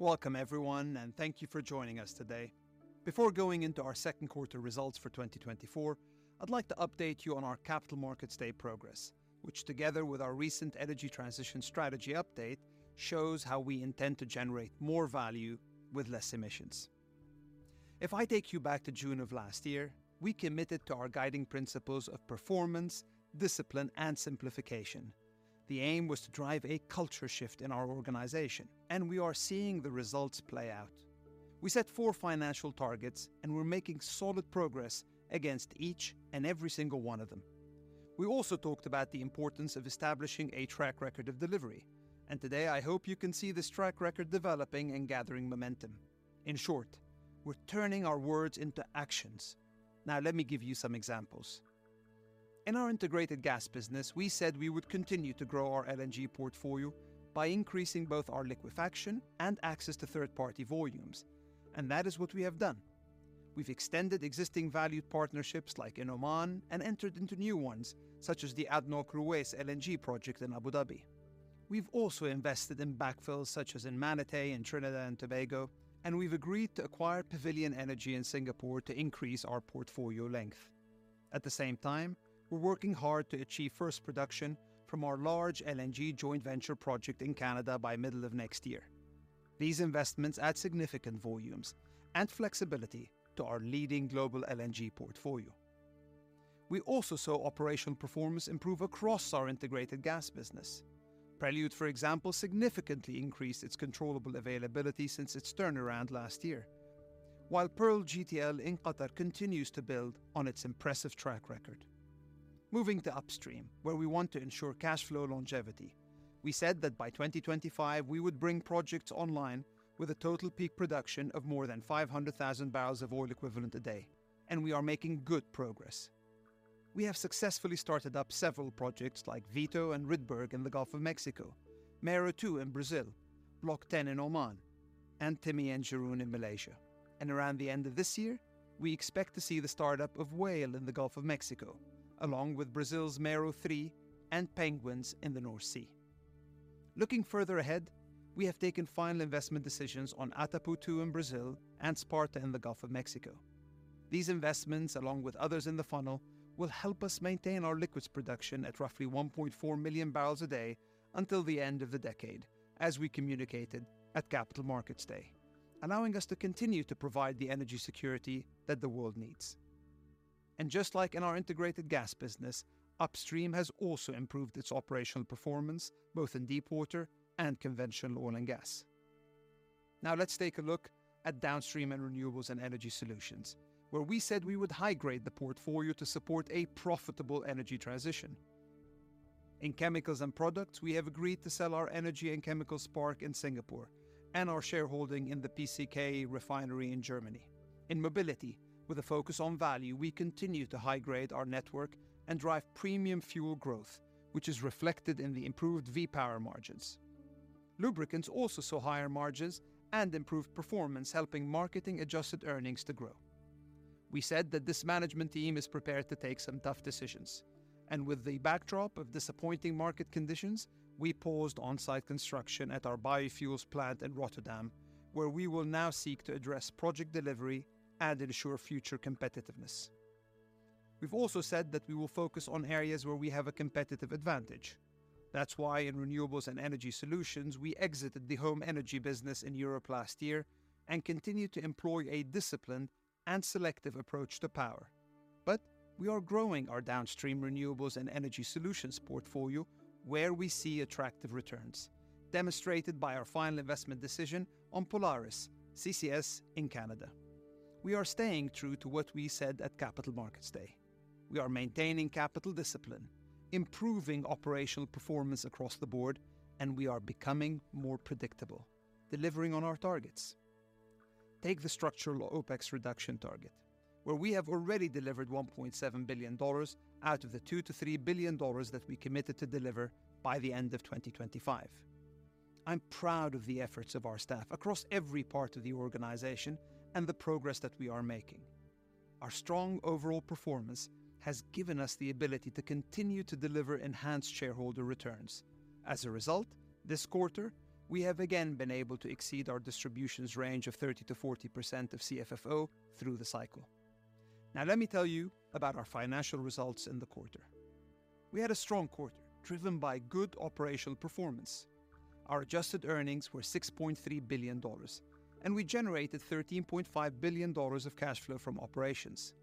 Welcome everyone, and thank you for joining us today. Before going into our second quarter results for 2024, I'd like to update you on our Capital Markets Day progress, which together with our recent energy transition strategy update, shows how we intend to generate more value with less emissions. If I take you back to June of last year, we committed to our guiding principles of performance, discipline, and simplification. The aim was to drive a culture shift in our organization, and we are seeing the results play out. We set four financial targets, and we're making solid progress against each and every single one of them. We also talked about the importance of establishing a track record of delivery, and today I hope you can see this track record developing and gathering momentum. In short, we're turning our words into actions. Now, let me give you some examples. In our integrated gas business, we said we would continue to grow our LNG portfolio by increasing both our liquefaction and access to third-party volumes, and that is what we have done. We've extended existing valued partnerships, like in Oman, and entered into new ones, such as the ADNOC Ruwais LNG project in Abu Dhabi. We've also invested in backfills, such as in Manatee in Trinidad and Tobago, and we've agreed to acquire Pavilion Energy in Singapore to increase our portfolio length. At the same time, we're working hard to achieve first production from our large LNG joint venture project in Canada by middle of next year. These investments add significant volumes and flexibility to our leading global LNG portfolio. We also saw operational performance improve across our integrated gas business. Prelude, for example, significantly increased its controllable availability since its turnaround last year, while Pearl GTL in Qatar continues to build on its impressive track record. Moving to upstream, where we want to ensure cash flow longevity, we said that by 2025 we would bring projects online with a total peak production of more than 500,000 barrels of oil equivalent a day, and we are making good progress. We have successfully started up several projects like Vito and Rydberg in the Gulf of Mexico, Mero-2 in Brazil, Block 10 in Oman, and Timi and Jerun in Malaysia. Around the end of this year, we expect to see the start-up of Whale in the Gulf of Mexico, along with Brazil's Mero-3 and Penguins in the North Sea. Looking further ahead, we have taken final investment decisions on Atapu-2 in Brazil and Sparta in the Gulf of Mexico. These investments, along with others in the funnel, will help us maintain our liquids production at roughly 1.4 million barrels a day until the end of the decade, as we communicated at Capital Markets Day, allowing us to continue to provide the energy security that the world needs. And just like in our integrated gas business, upstream has also improved its operational performance, both in deepwater and conventional oil and gas. Now let's take a look at downstream and renewables and energy solutions, where we said we would high-grade the portfolio to support a profitable energy transition. In chemicals and products, we have agreed to sell our energy and chemical park in Singapore and our shareholding in the PCK refinery in Germany. In mobility, with a focus on value, we continue to high-grade our network and drive premium fuel growth, which is reflected in the improved V-Power margins. Lubricants also saw higher margins and improved performance, helping marketing-adjusted earnings to grow. We said that this management team is prepared to take some tough decisions, and with the backdrop of disappointing market conditions, we paused on-site construction at our biofuels plant at Rotterdam, where we will now seek to address project delivery and ensure future competitiveness. We've also said that we will focus on areas where we have a competitive advantage. That's why in renewables and energy solutions, we exited the home energy business in Europe last year and continue to employ a disciplined and selective approach to power. But we are growing our downstream renewables and energy solutions portfolio where we see attractive returns, demonstrated by our final investment decision on Polaris CCS in Canada. We are staying true to what we said at Capital Markets Day. We are maintaining capital discipline, improving operational performance across the board, and we are becoming more predictable, delivering on our targets. Take the structural OpEx reduction target, where we have already delivered $1.7 billion out of the $2 billion-$3 billion that we committed to deliver by the end of 2025. I'm proud of the efforts of our staff across every part of the organization and the progress that we are making. Our strong overall performance has given us the ability to continue to deliver enhanced shareholder returns. As a result, this quarter, we have again been able to exceed our distributions range of 30%-40% of CFFO through the cycle. Now, let me tell you about our financial results in the quarter. We had a strong quarter, driven by good operational performance. Our adjusted earnings were $6.3 billion, and we generated $13.5 billion of cash flow from operations.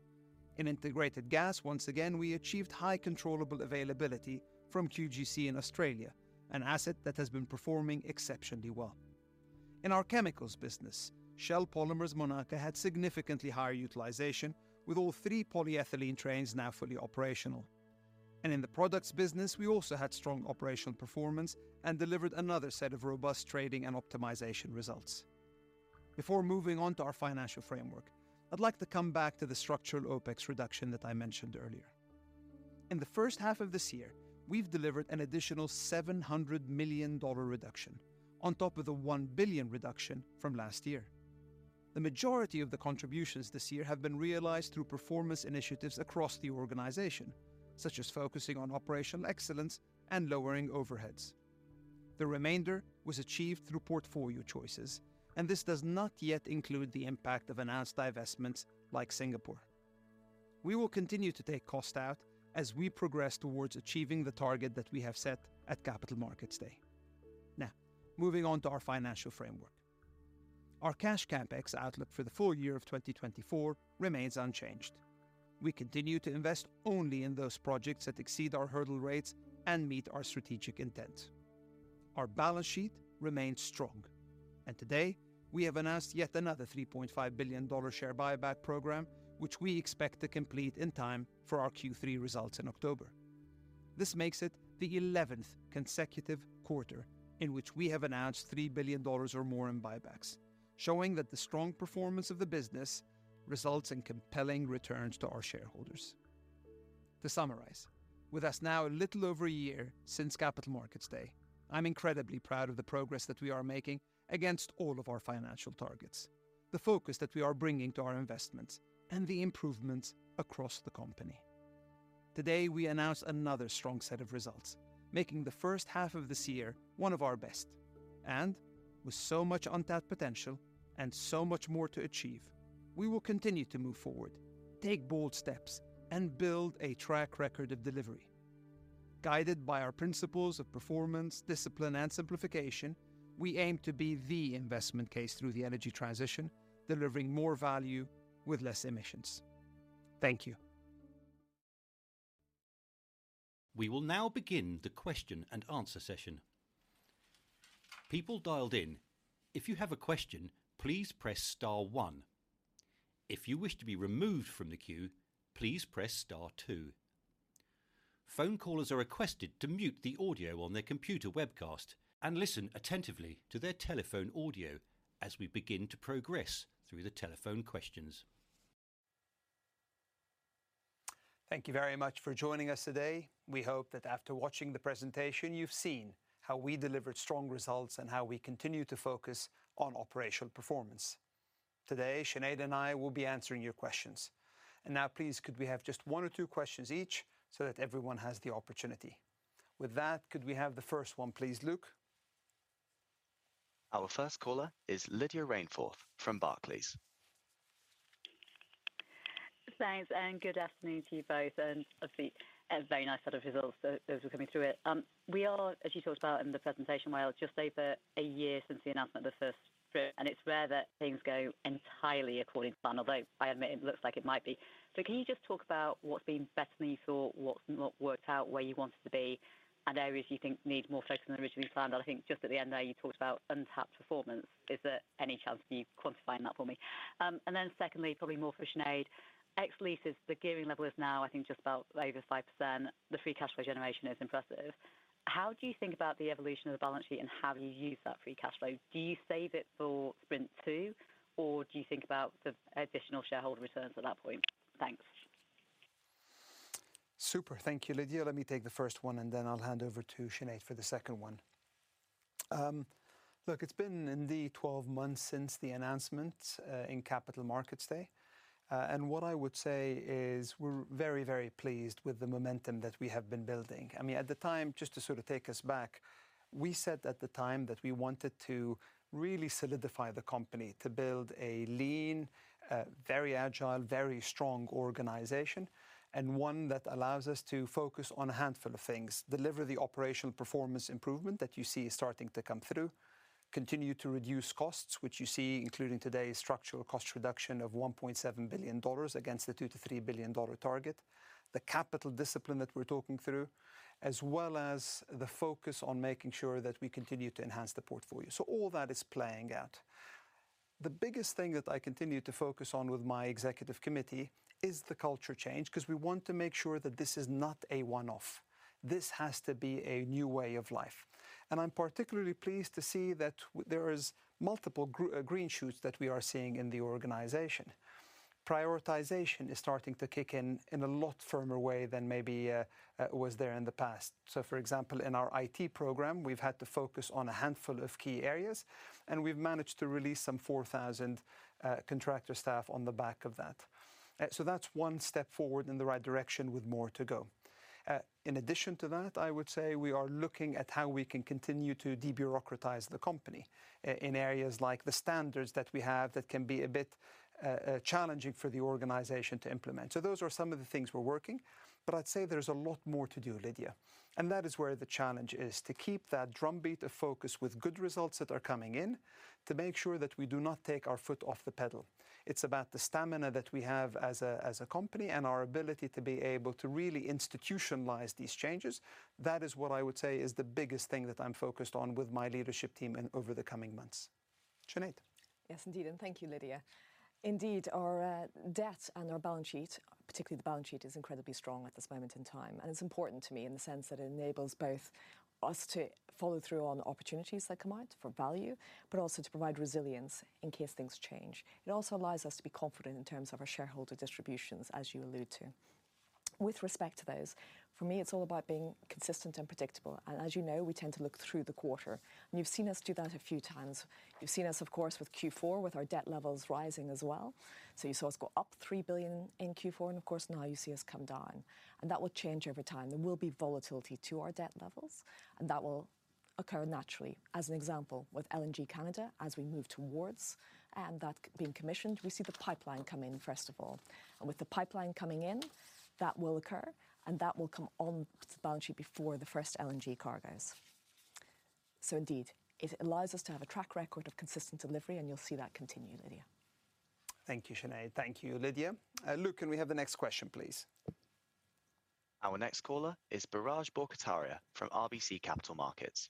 In integrated gas, once again, we achieved high controllable availability from QGC in Australia, an asset that has been performing exceptionally well. In our chemicals business, Shell Polymers Monaca had significantly higher utilization, with all three polyethylene trains now fully operational. In the products business, we also had strong operational performance and delivered another set of robust trading and optimization results. Before moving on to our financial framework, I'd like to come back to the structural OpEx reduction that I mentioned earlier. In the first half of this year, we've delivered an additional $700 million dollar reduction on top of the $1 billion reduction from last year. The majority of the contributions this year have been realized through performance initiatives across the organization, such as focusing on operational excellence and lowering overheads. The remainder was achieved through portfolio choices, and this does not yet include the impact of announced divestments like Singapore. We will continue to take cost out as we progress towards achieving the target that we have set at Capital Markets Day. Now, moving on to our financial framework. Our cash CapEx outlook for the full year of 2024 remains unchanged. We continue to invest only in those projects that exceed our hurdle rates and meet our strategic intent. Our balance sheet remains strong, and today we have announced yet another $3.5 billion share buyback program, which we expect to complete in time for our Q3 results in October. This makes it the eleventh consecutive quarter in which we have announced $3 billion or more in buybacks, showing that the strong performance of the business results in compelling returns to our shareholders. To summarize, with us now a little over a year since Capital Markets Day, I'm incredibly proud of the progress that we are making against all of our financial targets, the focus that we are bringing to our investments, and the improvements across the company. Today, we announce another strong set of results, making the first half of this year one of our best, and with so much untapped potential and so much more to achieve, we will continue to move forward, take bold steps, and build a track record of delivery. Guided by our principles of performance, discipline, and simplification, we aim to be the investment case through the energy transition, delivering more value with less emissions. Thank you. We will now begin the question-and-answer session. People dialed in, if you have a question, please press star one. If you wish to be removed from the queue, please press star two. Phone callers are requested to mute the audio on their computer webcast and listen attentively to their telephone audio as we begin to progress through the telephone questions. Thank you very much for joining us today. We hope that after watching the presentation, you've seen how we delivered strong results and how we continue to focus on operational performance. Today, Sinead and I will be answering your questions. And now, please, could we have just one or two questions each so that everyone has the opportunity? With that, could we have the first one, please, Luke? Our first caller is Lydia Rainforth from Barclays. Thanks, and good afternoon to you both, and obviously, a very nice set of results for those who are coming through it. We are, as you talked about in the presentation, Wael, just over a year since the announcement, the first quarter, and it's rare that things go entirely according to plan, although I admit it looks like it might be. So can you just talk about what's been better than you thought, what's not worked out where you wanted to be, and areas you think need more focus than originally planned? I think just at the end there, you talked about untapped performance. Is there any chance you quantifying that for me? And then secondly, probably more for Sinead. Ex leases, the gearing level is now, I think, just about over 5%. The free cash flow generation is impressive. How do you think about the evolution of the balance sheet and how you use that free cash flow? Do you save it for [Sprint 2], or do you think about the additional shareholder returns at that point? Thanks. Super. Thank you, Lydia. Let me take the first one, and then I'll hand over to Sinead for the second one. Look, it's been indeed 12 months since the announcement in Capital Markets Day. What I would say is we're very, very pleased with the momentum that we have been building. I mean, at the time, just to sort of take us back, we said at the time that we wanted to really solidify the company, to build a lean, very agile, very strong organization, and one that allows us to focus on a handful of things: deliver the operational performance improvement that you see starting to come through, continue to reduce costs, which you see, including today's structural cost reduction of $1.7 billion against the $2 billion-$3 billion target, the capital discipline that we're talking through, as well as the focus on making sure that we continue to enhance the portfolio. So all that is playing out. The biggest thing that I continue to focus on with my executive committee is the culture change, because we want to make sure that this is not a one-off. This has to be a new way of life. And I'm particularly pleased to see that there is multiple green shoots that we are seeing in the organization. Prioritization is starting to kick in, in a lot firmer way than maybe was there in the past. So, for example, in our IT program, we've had to focus on a handful of key areas, and we've managed to release some 4,000 contractor staff on the back of that. So that's one step forward in the right direction, with more to go. In addition to that, I would say we are looking at how we can continue to de-bureaucratize the company, in areas like the standards that we have that can be a bit challenging for the organization to implement. So those are some of the things we're working, but I'd say there's a lot more to do, Lydia, and that is where the challenge is: to keep that drumbeat of focus with good results that are coming in, to make sure that we do not take our foot off the pedal. It's about the stamina that we have as a company and our ability to be able to really institutionalize these changes. That is what I would say is the biggest thing that I'm focused on with my leadership team in over the coming months. Sinead? Yes, indeed, and thank you, Lydia. Indeed, our debt and our balance sheet, particularly the balance sheet, is incredibly strong at this moment in time, and it's important to me in the sense that it enables both us to follow through on opportunities that come out for value, but also to provide resilience in case things change. It also allows us to be confident in terms of our shareholder distributions, as you allude to.... With respect to those, for me, it's all about being consistent and predictable. And as you know, we tend to look through the quarter, and you've seen us do that a few times. You've seen us, of course, with Q4, with our debt levels rising as well. So you saw us go up $3 billion in Q4, and of course, now you see us come down. And that will change over time. There will be volatility to our debt levels, and that will occur naturally. As an example, with LNG Canada, as we move towards that being commissioned, we see the pipeline coming in, first of all. And with the pipeline coming in, that will occur, and that will come on the balance sheet before the first LNG cargoes. So indeed, it allows us to have a track record of consistent delivery, and you'll see that continue, Lydia. Thank you, Sinead. Thank you, Lydia. Luke, can we have the next question, please? Our next caller is Biraj Borkhataria from RBC Capital Markets.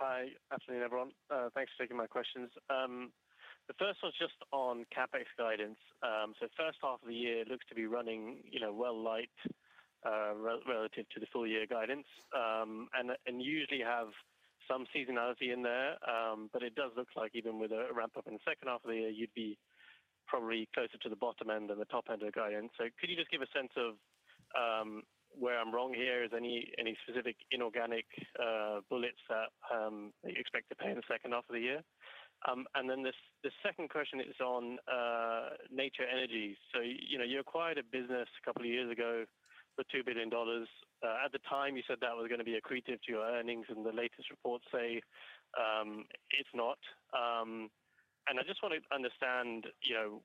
Hi. Afternoon, everyone. Thanks for taking my questions. The first one's just on CapEx guidance. So first half of the year looks to be running, you know, well light, relative to the full year guidance. And usually have some seasonality in there, but it does look like even with a ramp up in the second half of the year, you'd be probably closer to the bottom end than the top end of the guidance. So could you just give a sense of where I'm wrong here? Is any specific inorganic bullets that you expect to pay in the second half of the year? And then the second question is on Nature Energy. So, you know, you acquired a business a couple of years ago for $2 billion. At the time, you said that was gonna be accretive to your earnings, and the latest reports say it's not. And I just want to understand, you know,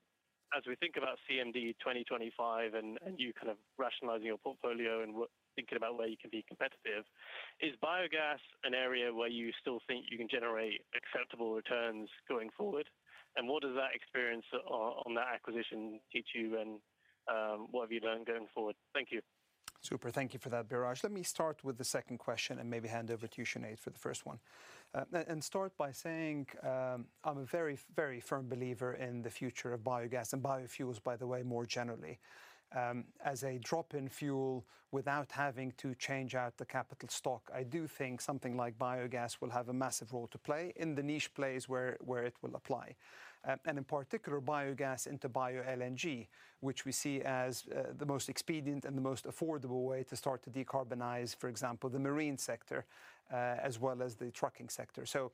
as we think about CMD 2025, and you kind of rationalizing your portfolio and thinking about where you can be competitive, is biogas an area where you still think you can generate acceptable returns going forward? And what does that experience on that acquisition teach you, and what have you learned going forward? Thank you. Super. Thank you for that, Biraj. Let me start with the second question and maybe hand over to you, Sinead, for the first one. And, and start by saying, I'm a very, very firm believer in the future of biogas and biofuels, by the way, more generally. As a drop-in fuel without having to change out the capital stock, I do think something like biogas will have a massive role to play in the niche place where, where it will apply. And in particular, biogas into bio-LNG, which we see as, the most expedient and the most affordable way to start to decarbonize, for example, the marine sector, as well as the trucking sector. So,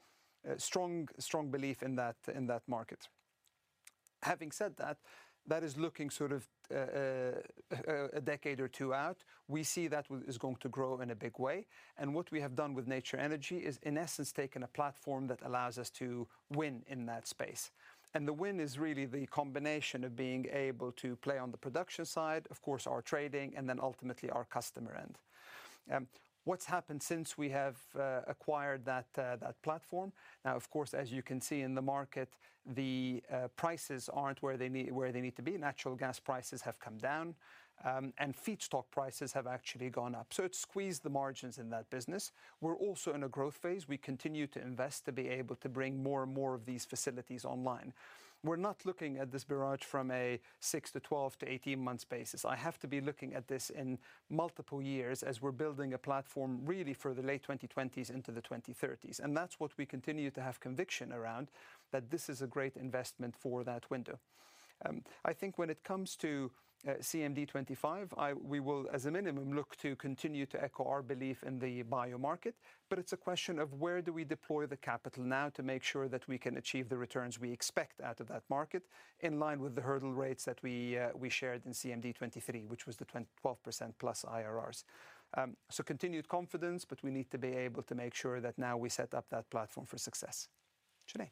strong, strong belief in that, in that market. Having said that, that is looking sort of, a decade or two out. We see that is going to grow in a big way, and what we have done with Nature Energy is, in essence, taken a platform that allows us to win in that space. And the win is really the combination of being able to play on the production side, of course, our trading, and then ultimately our customer end. What's happened since we have acquired that platform? Now, of course, as you can see in the market, the prices aren't where they need to be. Natural gas prices have come down, and feedstock prices have actually gone up, so it's squeezed the margins in that business. We're also in a growth phase. We continue to invest to be able to bring more and more of these facilities online. We're not looking at this, Biraj, from a 6- to 12- to 18-month basis. I have to be looking at this in multiple years as we're building a platform really for the late 2020s into the 2030s. That's what we continue to have conviction around, that this is a great investment for that window. I think when it comes to CMD 25, we will, as a minimum, look to continue to echo our belief in the bio market. But it's a question of where do we deploy the capital now to make sure that we can achieve the returns we expect out of that market, in line with the hurdle rates that we shared in CMD 23, which was the 12%+ IRRs. So continued confidence, but we need to be able to make sure that now we set up that platform for success. Sinead?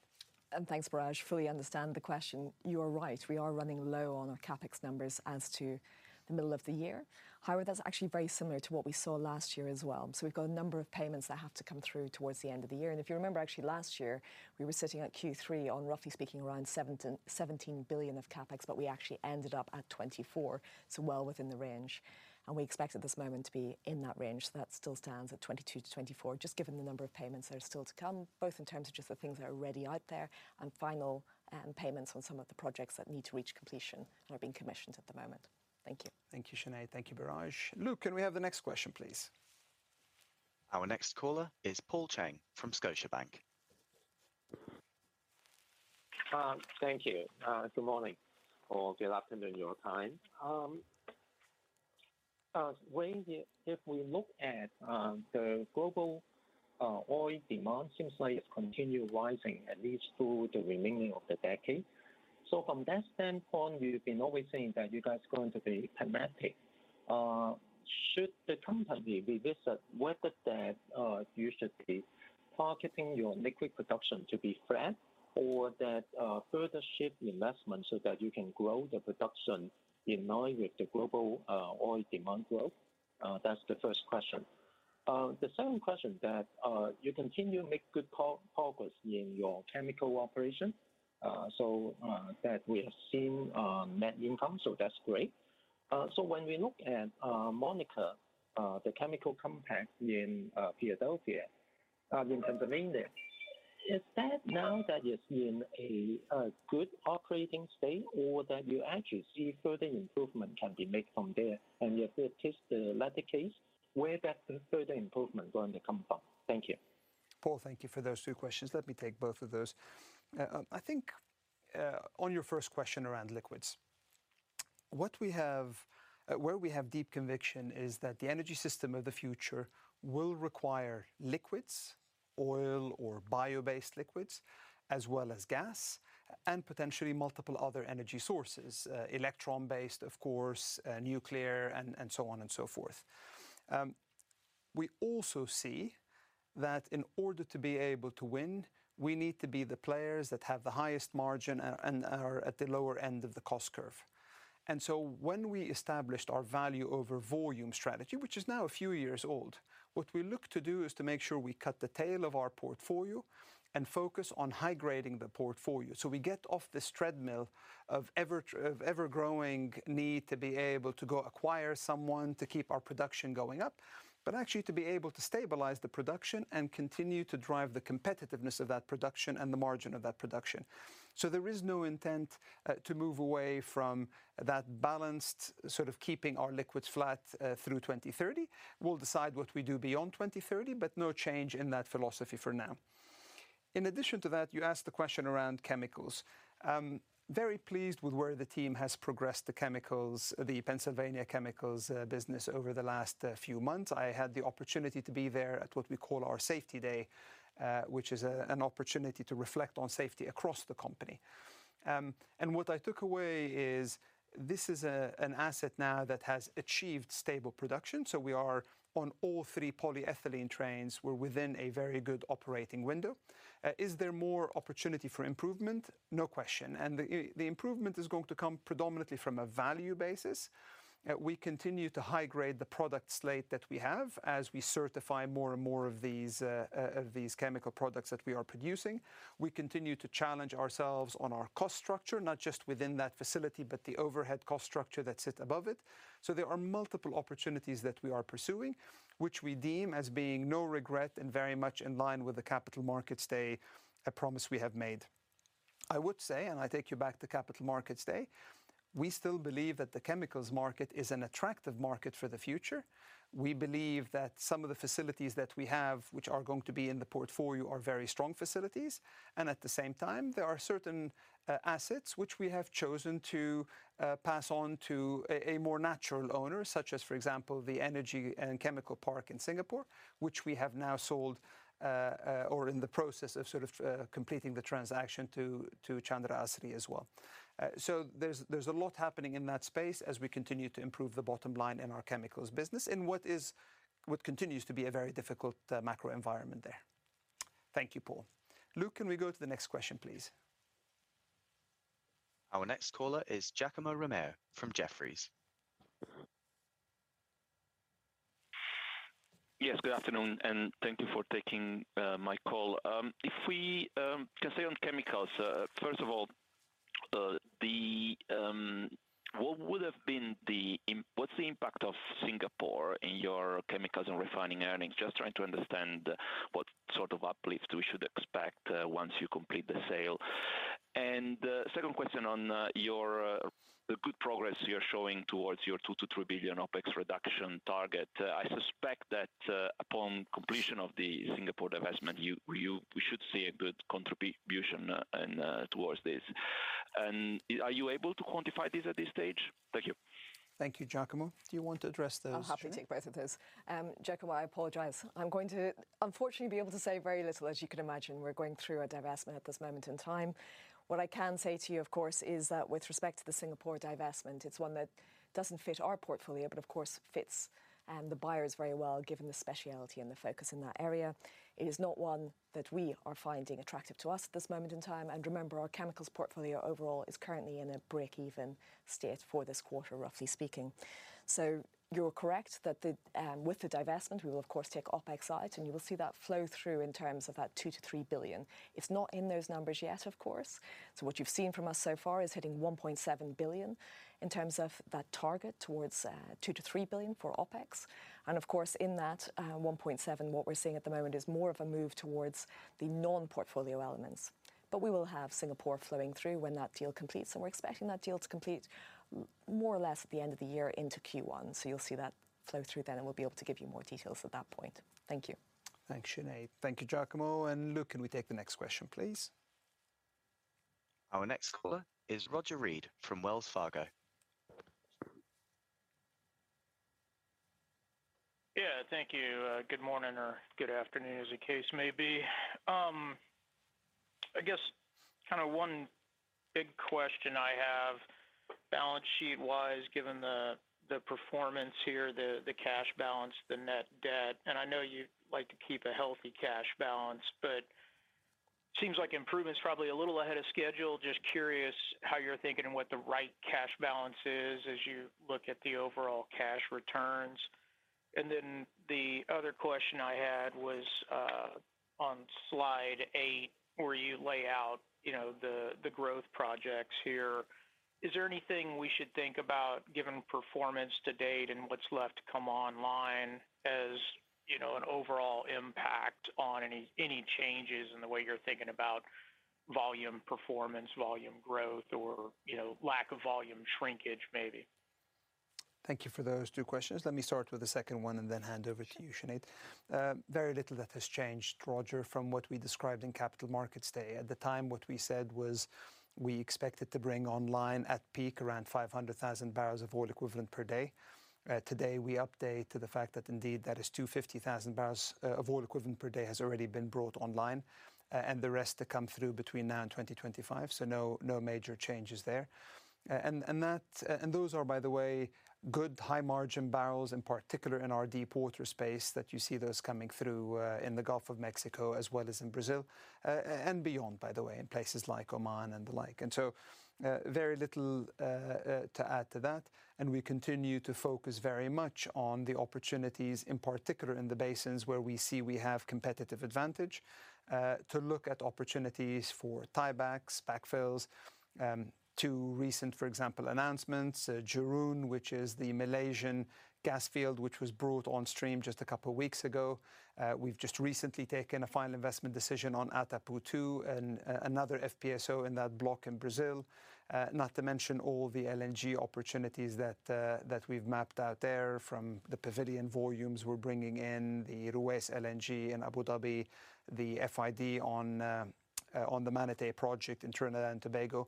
Thanks, Biraj. Fully understand the question. You are right, we are running low on our CapEx numbers as to the middle of the year. However, that's actually very similar to what we saw last year as well. So we've got a number of payments that have to come through towards the end of the year. And if you remember, actually last year, we were sitting at Q3 on, roughly speaking, around $17 billion of CapEx, but we actually ended up at $24 billion, so well within the range. And we expect at this moment to be in that range. That still stands at 22-24, just given the number of payments that are still to come, both in terms of just the things that are already out there and final, payments on some of the projects that need to reach completion and are being commissioned at the moment. Thank you. Thank you, Sinead. Thank you, Biraj. Luke, can we have the next question, please? Our next caller is Paul Cheng from Scotiabank. Thank you. Good morning or good afternoon, your time. If we look at the global oil demand, seems like it's continued rising at least through the remaining of the decade. So from that standpoint, you've been always saying that you guys are going to be thematic. Should the company revisit whether that you should be targeting your liquid production to be flat or that further shift investment so that you can grow the production in line with the global oil demand growth? That's the first question. The second question that you continue to make good progress in your chemical operation, so that we have seen net income, so that's great. So when we look at Monaca, the chemical complex in Philadelphia, in Pennsylvania, is that now in a good operating state or that you actually see further improvement can be made from there? And if it is the latter case, where that further improvement going to come from? Thank you. Paul, thank you for those two questions. Let me take both of those. I think, on your first question around liquids, what we have, where we have deep conviction is that the energy system of the future will require liquids, oil or bio-based liquids, as well as gas, and potentially multiple other energy sources, electron-based, of course, nuclear, and so on and so forth. We also see that in order to be able to win, we need to be the players that have the highest margin and are at the lower end of the cost curve. So when we established our value over volume strategy, which is now a few years old, what we look to do is to make sure we cut the tail of our portfolio and focus on high-grading the portfolio. So we get off this treadmill of ever-growing need to be able to go acquire someone to keep our production going up, but actually to be able to stabilize the production and continue to drive the competitiveness of that production and the margin of that production. So there is no intent to move away from that balanced, sort of keeping our liquids flat through 2030. We'll decide what we do beyond 2030, but no change in that philosophy for now. In addition to that, you asked the question around chemicals. I'm very pleased with where the team has progressed the chemicals, the Pennsylvania Chemicals business over the last few months. I had the opportunity to be there at what we call our safety day, which is an opportunity to reflect on safety across the company. And what I took away is, this is an asset now that has achieved stable production, so we are on all three polyethylene trains, we're within a very good operating window. Is there more opportunity for improvement? No question. And the improvement is going to come predominantly from a value basis. We continue to high-grade the product slate that we have as we certify more and more of these chemical products that we are producing. We continue to challenge ourselves on our cost structure, not just within that facility, but the overhead cost structure that sits above it. So there are multiple opportunities that we are pursuing, which we deem as being no regret and very much in line with the Capital Markets Day, a promise we have made. I would say, and I take you back to Capital Markets Day, we still believe that the chemicals market is an attractive market for the future. We believe that some of the facilities that we have, which are going to be in the portfolio, are very strong facilities, and at the same time, there are certain assets which we have chosen to pass on to a more natural owner, such as, for example, the energy and chemical park in Singapore, which we have now sold, or in the process of sort of completing the transaction to Chandra Asri as well. So there's a lot happening in that space as we continue to improve the bottom line in our chemicals business, in what is what continues to be a very difficult macro environment there. Thank you, Paul. Luke, can we go to the next question, please? Our next caller is Giacomo Romeo from Jefferies. Yes, good afternoon, and thank you for taking my call. If we can stay on chemicals, first of all, what's the impact of Singapore in your chemicals and refining earnings? Just trying to understand what sort of uplift we should expect once you complete the sale. And second question on the good progress you're showing towards your $2 billion-3 billion OpEx reduction target. I suspect that upon completion of the Singapore divestment, we should see a good contribution and towards this. And are you able to quantify this at this stage? Thank you. Thank you, Giacomo. Do you want to address those, Sinead? I'm happy to take both of those. Giacomo, I apologize. I'm going to unfortunately be able to say very little. As you can imagine, we're going through a divestment at this moment in time. What I can say to you, of course, is that with respect to the Singapore divestment, it's one that doesn't fit our portfolio, but of course fits the buyers very well, given the specialty and the focus in that area. It is not one that we are finding attractive to us at this moment in time, and remember, our chemicals portfolio overall is currently in a break-even state for this quarter, roughly speaking. So you're correct that with the divestment, we will of course take OpEx out, and you will see that flow through in terms of that $2 billion-$3 billion. It's not in those numbers yet, of course. So what you've seen from us so far is hitting $1.7 billion in terms of that target towards $2 billion-$3 billion for OpEx. And of course, in that $1.7, what we're seeing at the moment is more of a move towards the non-portfolio elements. But we will have Singapore flowing through when that deal completes, and we're expecting that deal to complete more or less at the end of the year into Q1. So you'll see that flow through then, and we'll be able to give you more details at that point. Thank you. Thanks, Sinead. Thank you, Giacomo. And Luke, can we take the next question, please? Our next caller is Roger Read from Wells Fargo. Yeah, thank you. Good morning or good afternoon, as the case may be. I guess kind of one big question I have, balance sheet-wise, given the performance here, the cash balance, the net debt, and I know you like to keep a healthy cash balance, but seems like improvement's probably a little ahead of schedule. Just curious how you're thinking and what the right cash balance is as you look at the overall cash returns. And then the other question I had was, on slide eight, where you lay out, you know, the growth projects here. Is there anything we should think about, given performance to date and what's left to come online, as, you know, an overall impact on any changes in the way you're thinking about volume performance, volume growth, or, you know, lack of volume shrinkage, maybe?... Thank you for those two questions. Let me start with the second one and then hand over to you, Sinead. Very little that has changed, Roger, from what we described in Capital Markets Day. At the time, what we said was we expected to bring online at peak around 500,000 barrels of oil equivalent per day. Today, we update to the fact that indeed that is 250,000 barrels of oil equivalent per day has already been brought online, and the rest to come through between now and 2025, so no, no major changes there. And that, and those are, by the way, good high-margin barrels, in particular in our deepwater space, that you see those coming through in the Gulf of Mexico as well as in Brazil, and beyond, by the way, in places like Oman and the like. And so, very little to add to that, and we continue to focus very much on the opportunities, in particular in the basins where we see we have competitive advantage, to look at opportunities for tiebacks, backfills. Two recent, for example, announcements, Jerun, which is the Malaysian gas field, which was brought on stream just a couple weeks ago. We've just recently taken a final investment decision on Atapu-2 and another FPSO in that block in Brazil. Not to mention all the LNG opportunities that, that we've mapped out there from the Pavilion volumes we're bringing in, the Ruwais LNG in Abu Dhabi, the FID on, on the Manatee project in Trinidad and Tobago.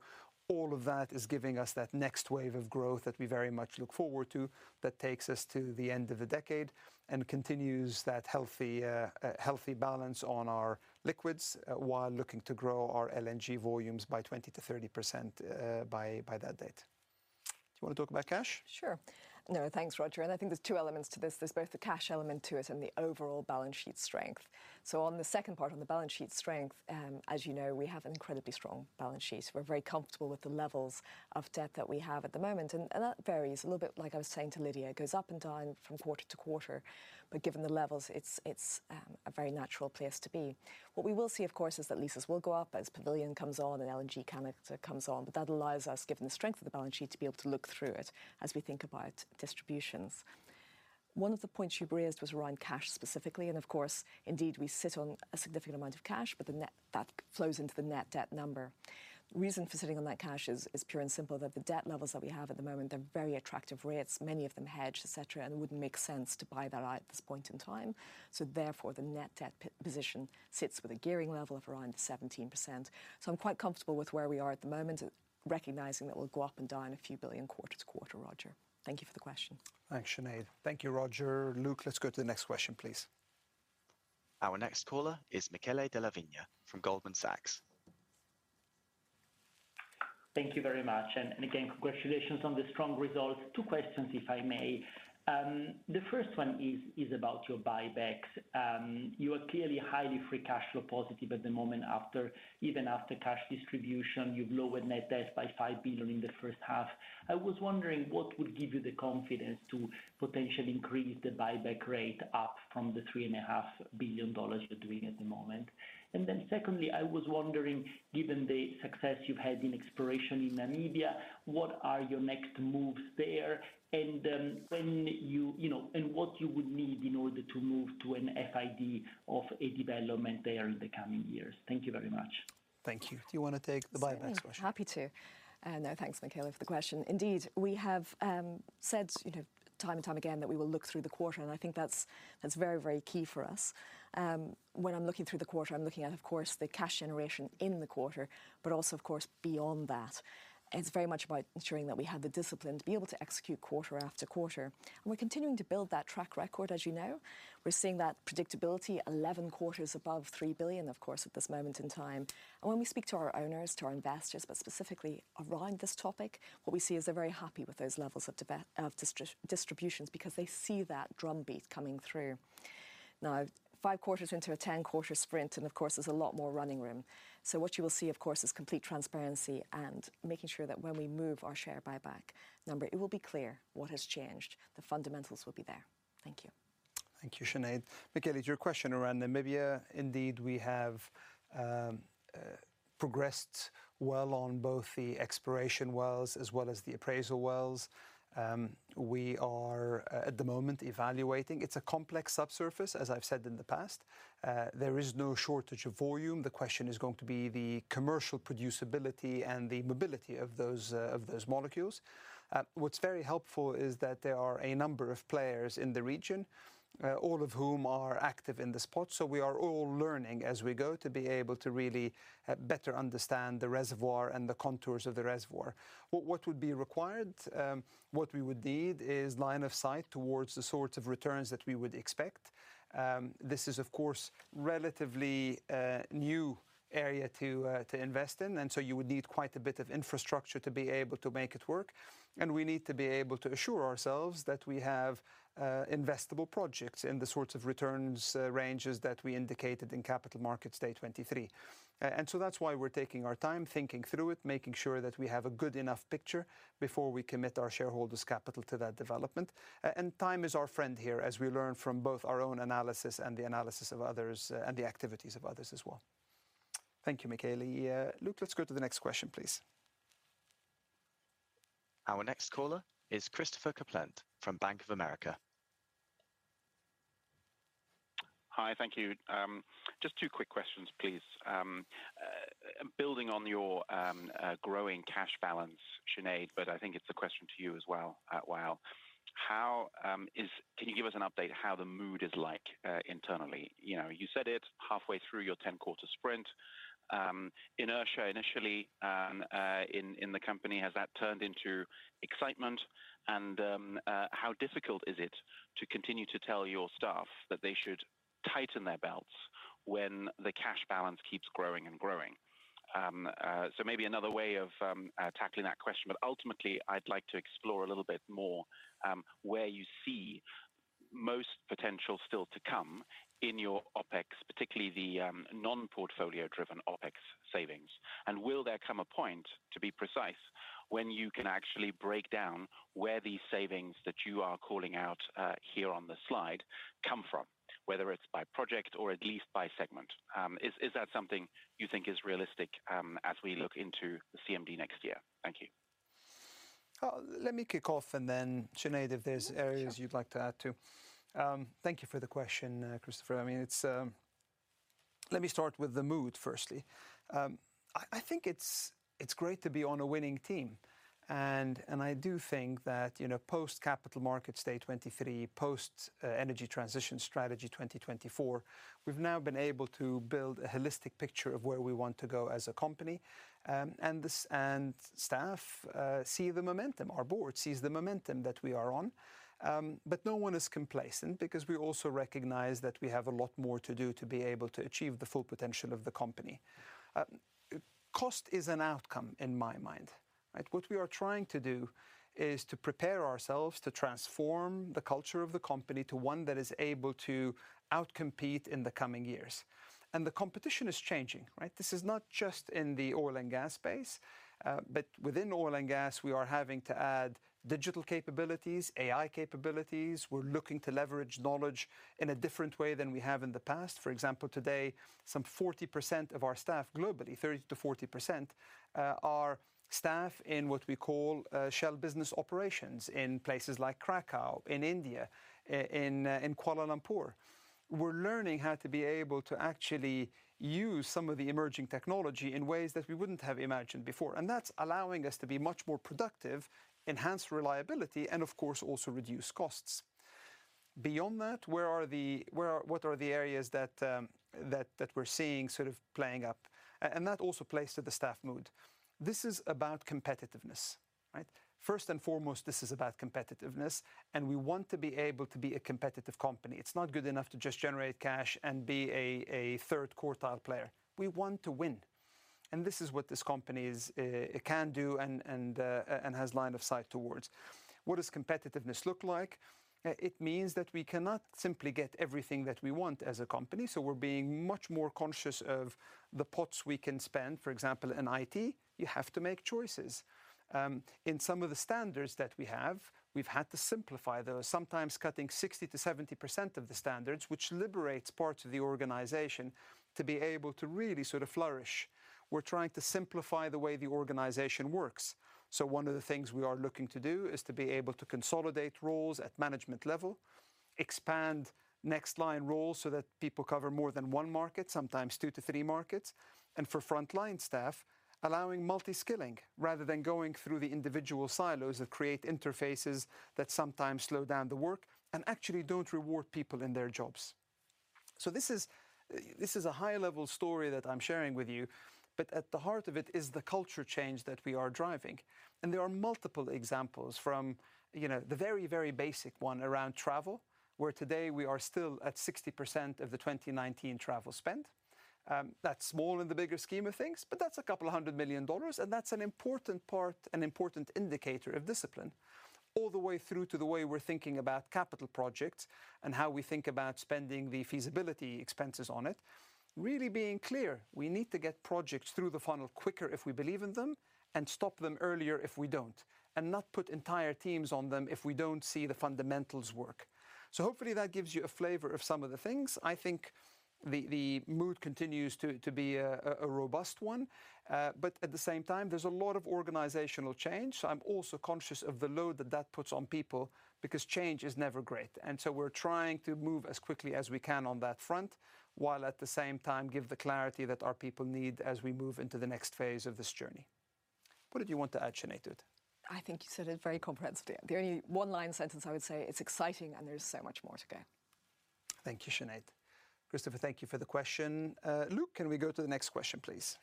All of that is giving us that next wave of growth that we very much look forward to, that takes us to the end of the decade and continues that healthy, healthy balance on our liquids, while looking to grow our LNG volumes by 20%-30%, by that date. Do you wanna talk about cash? Sure. No, thanks, Roger, and I think there's two elements to this. There's both the cash element to it and the overall balance sheet strength. So on the second part, on the balance sheet strength, as you know, we have an incredibly strong balance sheet. We're very comfortable with the levels of debt that we have at the moment, and that varies. A little bit like I was saying to Lydia, it goes up and down from quarter to quarter, but given the levels, it's a very natural place to be. What we will see, of course, is that leases will go up as Pavilion comes on and LNG comes on, but that allows us, given the strength of the balance sheet, to be able to look through it as we think about distributions. One of the points you raised was around cash specifically, and of course, indeed, we sit on a significant amount of cash, but the net. That flows into the net debt number. The reason for sitting on that cash is pure and simple, that the debt levels that we have at the moment, they're very attractive rates, many of them hedged, et cetera, and it wouldn't make sense to buy that out at this point in time. So therefore, the net debt position sits with a gearing level of around 17%. So I'm quite comfortable with where we are at the moment, recognizing that we'll go up and down $a few billion quarter to quarter, Roger. Thank you for the question. Thanks, Sinead. Thank you, Roger. Luke, let's go to the next question, please. Our next caller is Michele Della Vigna from Goldman Sachs. Thank you very much, and again, congratulations on the strong results. Two questions, if I may. The first one is about your buybacks. You are clearly highly free cash flow positive at the moment even after cash distribution, you've lowered net debt by $5 billion in the first half. I was wondering, what would give you the confidence to potentially increase the buyback rate up from the $3.5 billion you're doing at the moment? And then secondly, I was wondering, given the success you've had in exploration in Namibia, what are your next moves there, and, you know, and what you would need in order to move to an FID of a development there in the coming years? Thank you very much. Thank you. Do you wanna take the buybacks question? Happy to. No, thanks, Michele, for the question. Indeed, we have said, you know, time and time again, that we will look through the quarter, and I think that's very, very key for us. When I'm looking through the quarter, I'm looking at, of course, the cash generation in the quarter, but also, of course, beyond that. It's very much about ensuring that we have the discipline to be able to execute quarter after quarter. And we're continuing to build that track record, as you know. We're seeing that predictability 11 quarters above $3 billion, of course, at this moment in time. And when we speak to our owners, to our investors, but specifically around this topic, what we see is they're very happy with those levels of distributions because they see that drumbeat coming through. Now, five quarters into a 10-quarter sprint, and of course, there's a lot more running room. So what you will see, of course, is complete transparency and making sure that when we move our share buyback number, it will be clear what has changed. The fundamentals will be there. Thank you. Thank you, Sinead. Michele, to your question around Namibia, indeed, we have progressed well on both the exploration wells as well as the appraisal wells. We are at the moment evaluating. It's a complex subsurface, as I've said in the past. There is no shortage of volume. The question is going to be the commercial producibility and the mobility of those molecules. What's very helpful is that there are a number of players in the region, all of whom are active in the spot, so we are all learning as we go to be able to really better understand the reservoir and the contours of the reservoir. What would be required, what we would need is line of sight towards the sorts of returns that we would expect. This is, of course, relatively new area to invest in, and so you would need quite a bit of infrastructure to be able to make it work. We need to be able to assure ourselves that we have investable projects in the sorts of returns ranges that we indicated in Capital Markets Day 2023. So that's why we're taking our time, thinking through it, making sure that we have a good enough picture before we commit our shareholders' capital to that development. Time is our friend here, as we learn from both our own analysis and the analysis of others, and the activities of others as well. Thank you, Michele. Luke, let's go to the next question, please. Our next caller is Christopher Kuplent from Bank of America. Hi, thank you. Just two quick questions, please. Building on your growing cash balance, Sinead, but I think it's a question to you as well, to Wael. How can you give us an update how the mood is like internally? You know, you said it, halfway through your 10-quarter sprint. Inertia initially in the company, has that turned into excitement? How difficult is it to continue to tell your staff that they should tighten their belts when the cash balance keeps growing and growing? So maybe another way of tackling that question, but ultimately, I'd like to explore a little bit more where you see most potential still to come in your OpEx, particularly the non-portfolio-driven OpEx savings. Will there come a point, to be precise, when you can actually break down where these savings that you are calling out here on the slide come from? Whether it's by project or at least by segment. Is, is that something you think is realistic, as we look into the CMD next year? Thank you. Let me kick off, and then, Sinead, if there's areas you'd like to add, too. Thank you for the question, Christopher. I mean, it's... Let me start with the mood, firstly. I think it's great to be on a winning team, and I do think that, you know, post-Capital Markets Day 2023, post Energy Transition Strategy 2024, we've now been able to build a holistic picture of where we want to go as a company. And staff see the momentum. Our board sees the momentum that we are on. But no one is complacent because we also recognize that we have a lot more to do to be able to achieve the full potential of the company. Cost is an outcome in my mind, right? What we are trying to do is to prepare ourselves to transform the culture of the company to one that is able to out-compete in the coming years. The competition is changing, right? This is not just in the oil and gas space, but within oil and gas, we are having to add digital capabilities, AI capabilities. We're looking to leverage knowledge in a different way than we have in the past. For example, today, some 40% of our staff globally, 30%-40%, are staff in what we call Shell Business Operations in places like Krakow, in India, in Kuala Lumpur. We're learning how to be able to actually use some of the emerging technology in ways that we wouldn't have imagined before, and that's allowing us to be much more productive, enhance reliability, and of course, also reduce costs. Beyond that, what are the areas that we're seeing sort of playing up? And that also plays to the staff mood. This is about competitiveness, right? First and foremost, this is about competitiveness, and we want to be able to be a competitive company. It's not good enough to just generate cash and be a third-quartile player. We want to win. And this is what this company is, it can do and has line of sight towards. What does competitiveness look like? It means that we cannot simply get everything that we want as a company, so we're being much more conscious of the pots we can spend. For example, in IT, you have to make choices. In some of the standards that we have, we've had to simplify those, sometimes cutting 60%-70% of the standards, which liberates parts of the organization to be able to really sort of flourish. We're trying to simplify the way the organization works. So one of the things we are looking to do is to be able to consolidate roles at management level, expand next line roles so that people cover more than one market, sometimes two to three markets, and for frontline staff, allowing multi-skilling rather than going through the individual silos that create interfaces that sometimes slow down the work and actually don't reward people in their jobs. So this is, this is a high-level story that I'm sharing with you, but at the heart of it is the culture change that we are driving. There are multiple examples from, you know, the very, very basic one around travel, where today we are still at 60% of the 2019 travel spend. That's small in the bigger scheme of things, but that's $200 million, and that's an important part and important indicator of discipline. All the way through to the way we're thinking about capital projects and how we think about spending the feasibility expenses on it. Really being clear, we need to get projects through the funnel quicker if we believe in them and stop them earlier if we don't, and not put entire teams on them if we don't see the fundamentals work. So hopefully that gives you a flavor of some of the things. I think the mood continues to be a robust one, but at the same time, there's a lot of organizational change. I'm also conscious of the load that that puts on people because change is never great, and so we're trying to move as quickly as we can on that front, while at the same time, give the clarity that our people need as we move into the next phase of this journey. What did you want to add, Sinead, to it? I think you said it very comprehensively. The only one-line sentence I would say, it's exciting and there's so much more to go. Thank you, Sinead. Christopher, thank you for the question. Luke, can we go to the next question, please?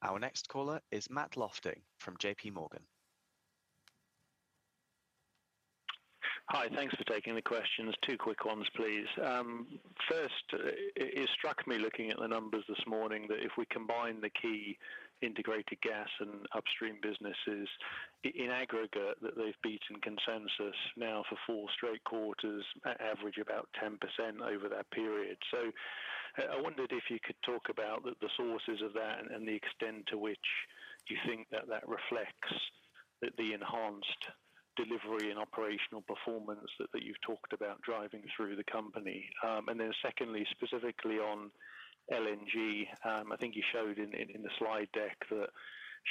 Our next caller is Matt Lofting from JP Morgan. Hi, thanks for taking the questions. Two quick ones, please. First, it struck me, looking at the numbers this morning, that if we combine the key integrated gas and upstream businesses in aggregate, that they've beaten consensus now for four straight quarters at average, about 10% over that period. So I wondered if you could talk about the sources of that and the extent to which you think that that reflects the enhanced delivery and operational performance that you've talked about driving through the company. And then secondly, specifically on LNG, I think you showed in the slide deck that-...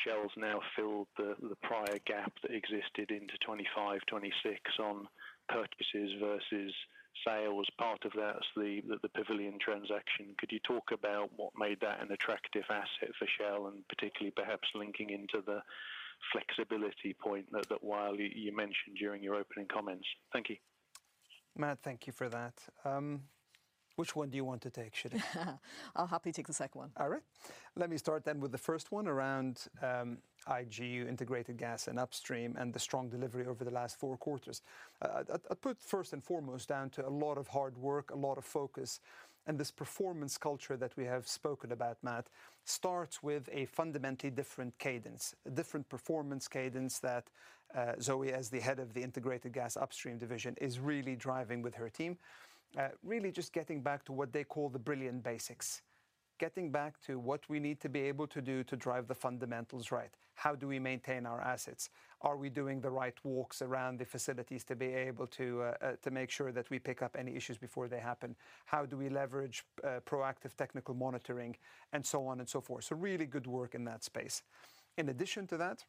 Shell's now filled the prior gap that existed into 2025, 2026 on purchases versus sales. Part of that's the Pavilion transaction. Could you talk about what made that an attractive asset for Shell, and particularly perhaps linking into the flexibility point that Wael, you mentioned during your opening comments? Thank you. Matt, thank you for that. Which one do you want to take, Sinead? I'll happily take the second one. All right. Let me start then with the first one around IG, Integrated Gas and Upstream, and the strong delivery over the last four quarters. I'd put first and foremost down to a lot of hard work, a lot of focus, and this performance culture that we have spoken about, Matt, starts with a fundamentally different cadence. A different performance cadence that, Zoë, as the head of the Integrated Gas and Upstream division, is really driving with her team. Really just getting back to what they call the brilliant basics. Getting back to what we need to be able to do to drive the fundamentals right. How do we maintain our assets? Are we doing the right walks around the facilities to be able to to make sure that we pick up any issues before they happen? How do we leverage proactive technical monitoring, and so on and so forth. So really good work in that space. In addition to that,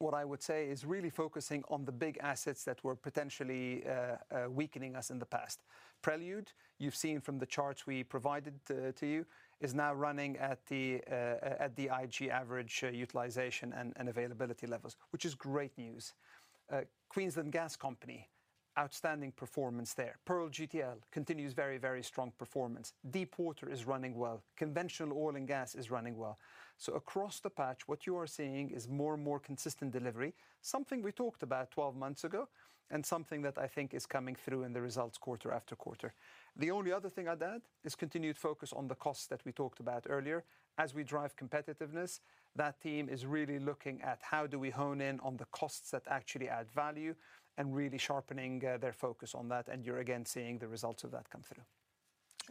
what I would say is really focusing on the big assets that were potentially weakening us in the past. Prelude, you've seen from the charts we provided to you, is now running at the IG average utilization and availability levels, which is great news. Queensland Gas Company, outstanding performance there. Pearl GTL continues very, very strong performance. Deepwater is running well. Conventional oil and gas is running well. So across the patch, what you are seeing is more and more consistent delivery, something we talked about 12 months ago, and something that I think is coming through in the results quarter after quarter. The only other thing I'd add is continued focus on the costs that we talked about earlier. As we drive competitiveness, that team is really looking at how do we hone in on the costs that actually add value, and really sharpening their focus on that, and you're again seeing the results of that come through.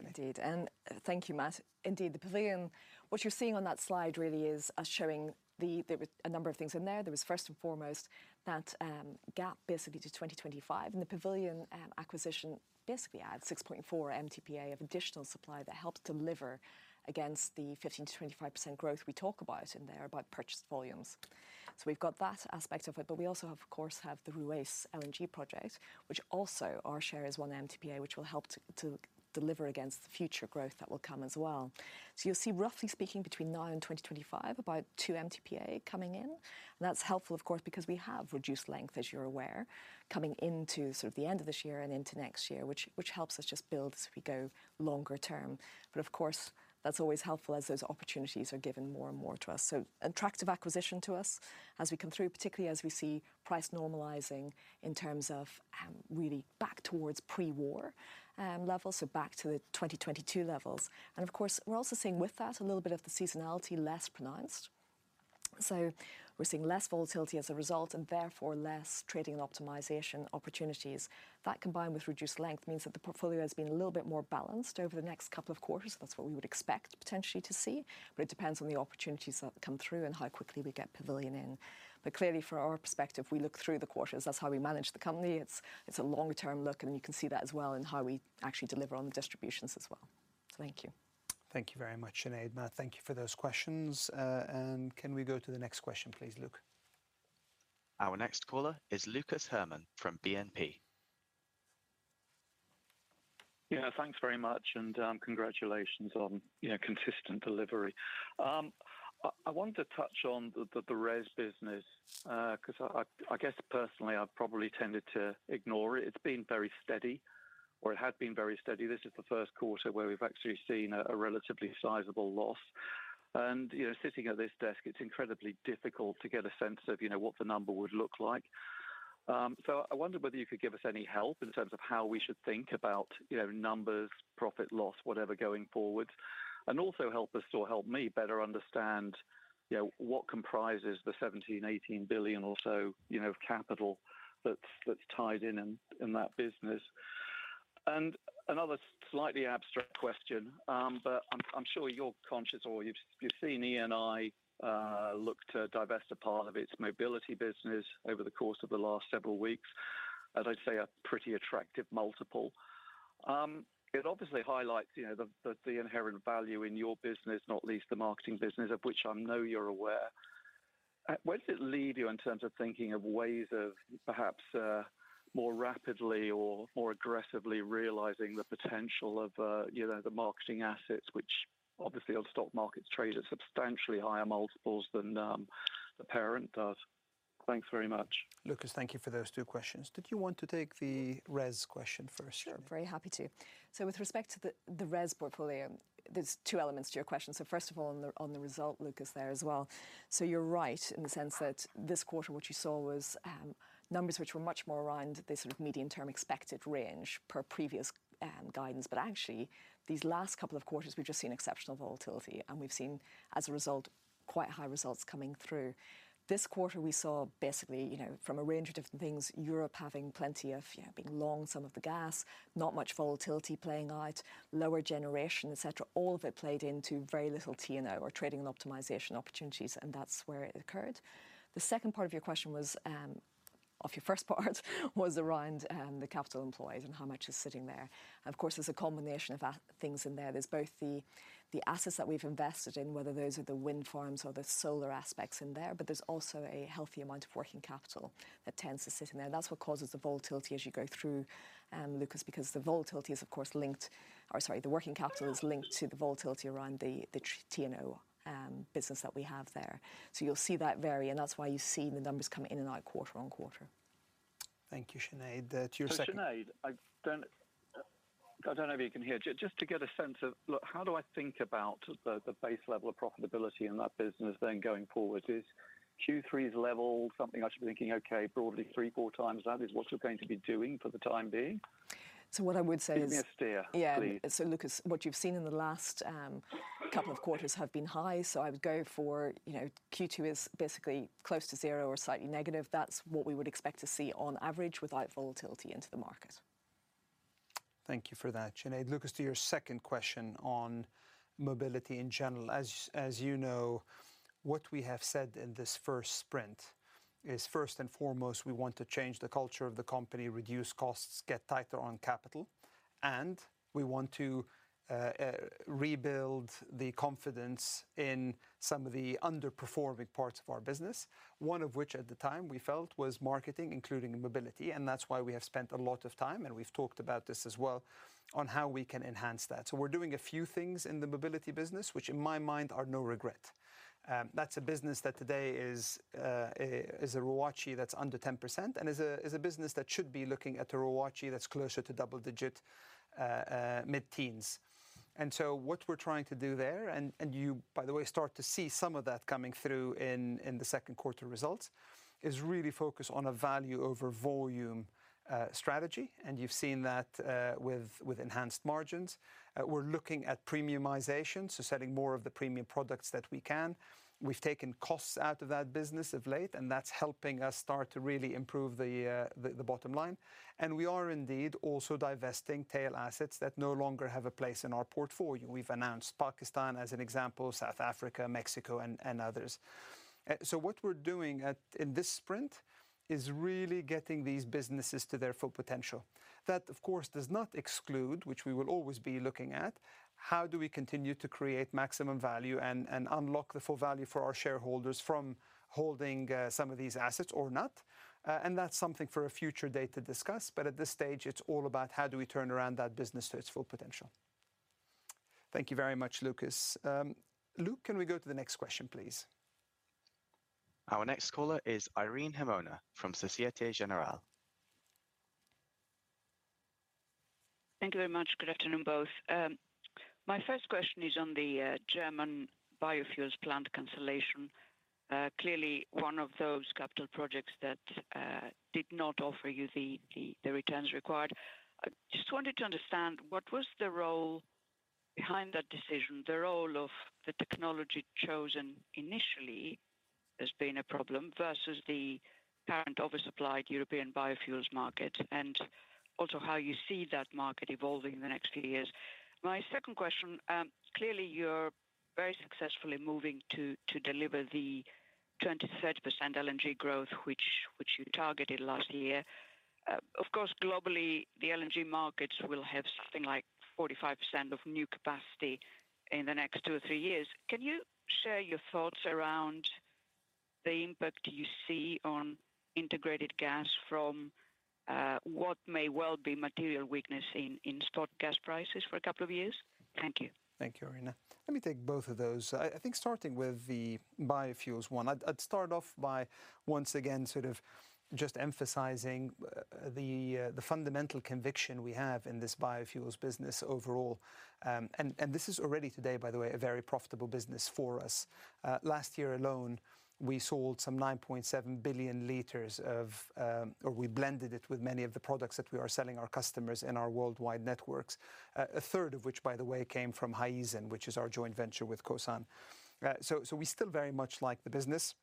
Indeed, and thank you, Matt. Indeed, the Pavilion, what you're seeing on that slide really is us showing the... There were a number of things in there. There was, first and foremost, that gap basically to 2025, and the Pavilion acquisition basically adds 6.4 MTPA of additional supply that helped deliver against the 15%-25% growth we talk about in there, about purchased volumes. So we've got that aspect of it, but we also have, of course, the Ruwais LNG project, which also our share is 1 MTPA, which will help to deliver against the future growth that will come as well. So you'll see, roughly speaking, between now and 2025, about 2 MTPA coming in. That's helpful, of course, because we have reduced length, as you're aware, coming into sort of the end of this year and into next year, which helps us just build as we go longer term. But of course, that's always helpful as those opportunities are given more and more to us. So attractive acquisition to us as we come through, particularly as we see price normalizing in terms of, really back towards pre-war levels, so back to the 2022 levels. And of course, we're also seeing with that a little bit of the seasonality, less pronounced. So we're seeing less volatility as a result, and therefore less trading and optimization opportunities. That, combined with reduced length, means that the portfolio has been a little bit more balanced over the next couple of quarters. That's what we would expect potentially to see, but it depends on the opportunities that come through and how quickly we get Pavilion in. But clearly, from our perspective, we look through the quarters. That's how we manage the company. It's, it's a longer-term look, and you can see that as well in how we actually deliver on the distributions as well. Thank you. Thank you very much, Sinead. Matt, thank you for those questions. Can we go to the next question, please, Luke? Our next caller is Lucas Herrmann from BNP. Yeah, thanks very much, and congratulations on, you know, consistent delivery. I wanted to touch on the RES business, 'cause I guess personally I've probably tended to ignore it. It's been very steady, or it had been very steady. This is the first quarter where we've actually seen a relatively sizable loss. And, you know, sitting at this desk, it's incredibly difficult to get a sense of, you know, what the number would look like. So I wondered whether you could give us any help in terms of how we should think about, you know, numbers, profit, loss, whatever, going forward. And also help us or help me better understand, you know, what comprises the $17 billion-18 billion or so, you know, capital that's tied in that business. Another slightly abstract question, but I'm sure you're conscious or you've seen Eni look to divest a part of its mobility business over the course of the last several weeks, as I say, a pretty attractive multiple. It obviously highlights, you know, the inherent value in your business, not least the marketing business, of which I know you're aware. Where does it lead you in terms of thinking of ways of perhaps more rapidly or more aggressively realizing the potential of, you know, the marketing assets, which obviously on stock markets trade at substantially higher multiples than the parent does? Thanks very much. Lucas, thank you for those two questions. Did you want to take the RES question first, Sinead? Sure, very happy to. So with respect to the RES portfolio, there's two elements to your question. So first of all, on the result, Lucas, there as well. So you're right, in the sense that this quarter, what you saw was numbers which were much more around the sort of medium-term expected range per previous guidance. But actually, these last couple of quarters, we've just seen exceptional volatility, and we've seen, as a result, quite high results coming through. This quarter, we saw basically, you know, from a range of different things, Europe having plenty of, you know, being long some of the gas, not much volatility playing out, lower generation, et cetera. All of it played into very little T&O, or trading and optimization opportunities, and that's where it occurred. The second part of your question was... of your first part was around, the capital employed and how much is sitting there. And of course, there's a combination of things in there. There's both the, the assets that we've invested in, whether those are the wind farms or the solar aspects in there, but there's also a healthy amount of working capital that tends to sit in there. And that's what causes the volatility as you go through, Lucas, because the volatility is of course linked, or sorry, the working capital is linked to the volatility around the, the T&O, business that we have there. So you'll see that vary, and that's why you see the numbers coming in and out quarter on quarter. Thank you, Sinead. To your second- So Sinead, I don't, I don't know if you can hear. Just to get a sense of, look, how do I think about the, the base level of profitability in that business then going forward? Is Q3's level something I should be thinking, "Okay, broadly, three, four times that, is what you're going to be doing for the time being? What I would say is- Give me a steer. Yeah. Please. So Lucas, what you've seen in the last couple of quarters have been high, so I would go for, you know, Q2 is basically close to zero or slightly negative. That's what we would expect to see on average without volatility into the market. Thank you for that, Sinead. Lucas, to your second question on mobility in general. As you know, what we have said in this first sprint is, first and foremost, we want to change the culture of the company, reduce costs, get tighter on capital, and we want to rebuild the confidence in some of the underperforming parts of our business, one of which, at the time, we felt was marketing, including mobility, and that's why we have spent a lot of time, and we've talked about this as well, on how we can enhance that. So we're doing a few things in the mobility business, which in my mind are no regret. That's a business that today is a ROACE that's under 10%, and is a business that should be looking at a ROACE that's closer to double digit, mid-teens. So what we're trying to do there, and you, by the way, start to see some of that coming through in the second quarter results, is really focus on a value over volume strategy, and you've seen that with enhanced margins. We're looking at premiumization, so selling more of the premium products that we can. We've taken costs out of that business of late, and that's helping us start to really improve the bottom line. And we are indeed also divesting tail assets that no longer have a place in our portfolio. We've announced Pakistan as an example, South Africa, Mexico, and others. So what we're doing in this sprint is really getting these businesses to their full potential. That, of course, does not exclude, which we will always be looking at, how do we continue to create maximum value and unlock the full value for our shareholders from holding some of these assets or not? And that's something for a future date to discuss, but at this stage, it's all about how do we turn around that business to its full potential. Thank you very much, Lucas. Luke, can we go to the next question, please? Our next caller is Irene Himona from Société Générale. Thank you very much. Good afternoon, both. My first question is on the German biofuels plant cancellation. Clearly one of those capital projects that did not offer you the returns required. I just wanted to understand, what was the role behind that decision, the role of the technology chosen initially as being a problem versus the current oversupplied European biofuels market, and also how you see that market evolving in the next few years? My second question, clearly, you're very successfully moving to deliver the 20%-30% LNG growth, which you targeted last year. Of course, globally, the LNG markets will have something like 45% of new capacity in the next two or three years. Can you share your thoughts around the impact you see on Integrated Gas from what may well be material weakness in spot gas prices for a couple of years? Thank you. Thank you, Irene. Let me take both of those. I think starting with the biofuels one, I'd start off by once again sort of just emphasizing the fundamental conviction we have in this biofuels business overall. And this is already today, by the way, a very profitable business for us. Last year alone, we sold some 9.7 billion liters of or we blended it with many of the products that we are selling our customers in our worldwide networks. A third of which, by the way, came from Hyzon, which is our joint venture with Kosan. So we still very much like the business.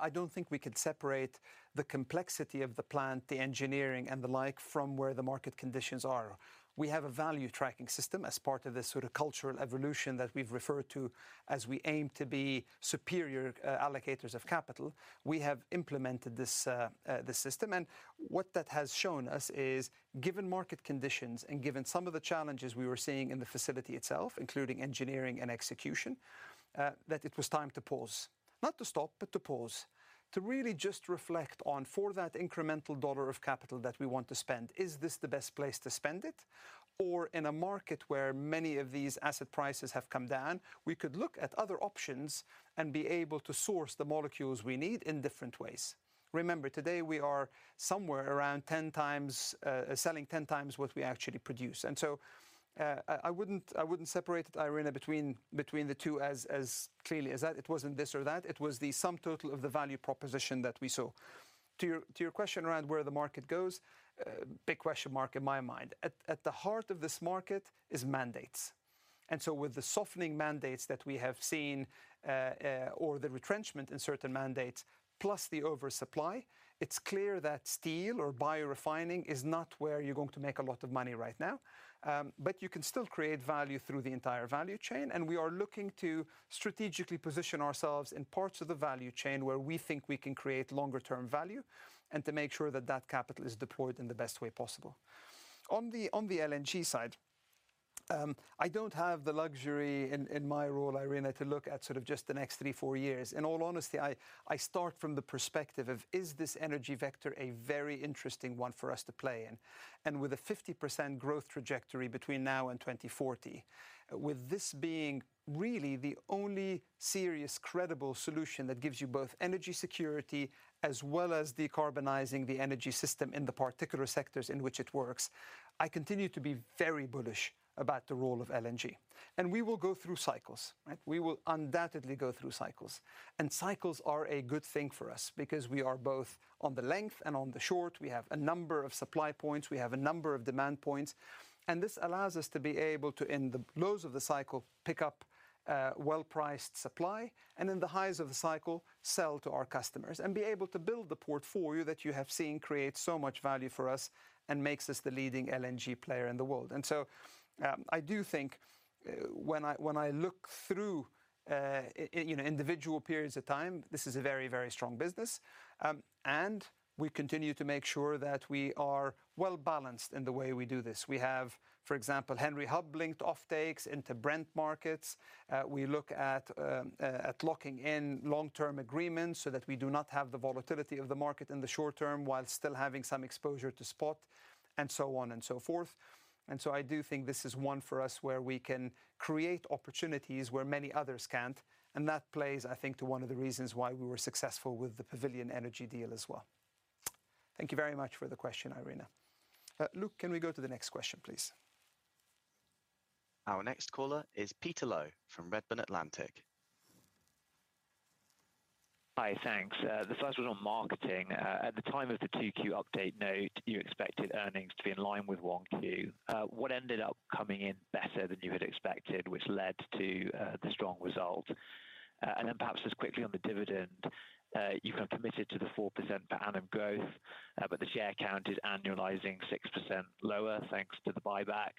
I don't think we could separate the complexity of the plant, the engineering, and the like, from where the market conditions are. We have a value tracking system as part of this sort of cultural evolution that we've referred to as we aim to be superior allocators of capital. We have implemented this system, and what that has shown us is, given market conditions and given some of the challenges we were seeing in the facility itself, including engineering and execution, that it was time to pause. Not to stop, but to pause, to really just reflect on, for that incremental dollar of capital that we want to spend, is this the best place to spend it? Or in a market where many of these asset prices have come down, we could look at other options and be able to source the molecules we need in different ways. Remember, today we are somewhere around 10x selling 10x what we actually produce, and so I wouldn't separate it, Irene, between the two as clearly as that. It wasn't this or that, it was the sum total of the value proposition that we saw. To your question around where the market goes, big question mark in my mind. At the heart of this market is mandates. And so with the softening mandates that we have seen, or the retrenchment in certain mandates, plus the oversupply, it's clear that steel or biorefining is not where you're going to make a lot of money right now. But you can still create value through the entire value chain, and we are looking to strategically position ourselves in parts of the value chain where we think we can create longer term value, and to make sure that that capital is deployed in the best way possible. On the LNG side, I don't have the luxury in my role, Irene, to look at sort of just the next 3-4 years. In all honesty, I start from the perspective of: Is this energy vector a very interesting one for us to play in? With a 50% growth trajectory between now and 2040, with this being really the only serious, credible solution that gives you both energy security as well as decarbonizing the energy system in the particular sectors in which it works, I continue to be very bullish about the role of LNG. We will go through cycles, right? We will undoubtedly go through cycles, and cycles are a good thing for us because we are both on the length and on the short. We have a number of supply points. We have a number of demand points, and this allows us to be able to, in the lows of the cycle, pick up well-priced supply, and in the highs of the cycle, sell to our customers, and be able to build the portfolio that you have seen create so much value for us and makes us the leading LNG player in the world. And so, I do think, when I, when I look through, you know, individual periods of time, this is a very, very strong business. And we continue to make sure that we are well-balanced in the way we do this. We have, for example, Henry Hub linked offtakes into Brent markets. We look at locking in long-term agreements so that we do not have the volatility of the market in the short term, while still having some exposure to spot, and so on and so forth. So I do think this is one for us where we can create opportunities where many others can't, and that plays, I think, to one of the reasons why we were successful with the Pavilion Energy deal as well. Thank you very much for the question, Irene. Luke, can we go to the next question, please? Our next caller is Peter Low from Redburn Atlantic. Hi, thanks. The first one on marketing. At the time of the 2Q update note, you expected earnings to be in line with 1Q. What ended up coming in better than you had expected, which led to the strong result? And then perhaps just quickly on the dividend, you have committed to the 4% per annum growth, but the share count is annualizing 6% lower, thanks to the buyback.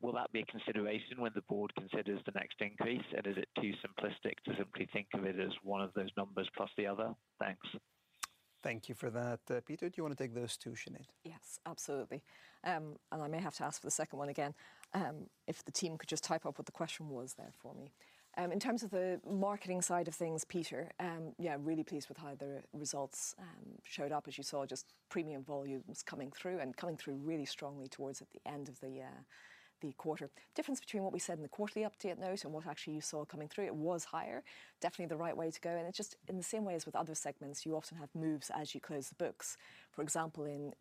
Will that be a consideration when the board considers the next increase, and is it too simplistic to simply think of it as one of those numbers plus the other? Thanks. Thank you for that, Peter. Do you want to take those two, Sinead? Yes, absolutely. And I may have to ask for the second one again. If the team could just type up what the question was there for me. In terms of the marketing side of things, Peter, yeah, really pleased with how the results showed up. As you saw, just premium volumes coming through, and coming through really strongly towards at the end of the year, the quarter. Difference between what we said in the quarterly update note and what actually you saw coming through, it was higher. Definitely the right way to go, and it's just in the same way as with other segments, you often have moves as you close the books. For example, in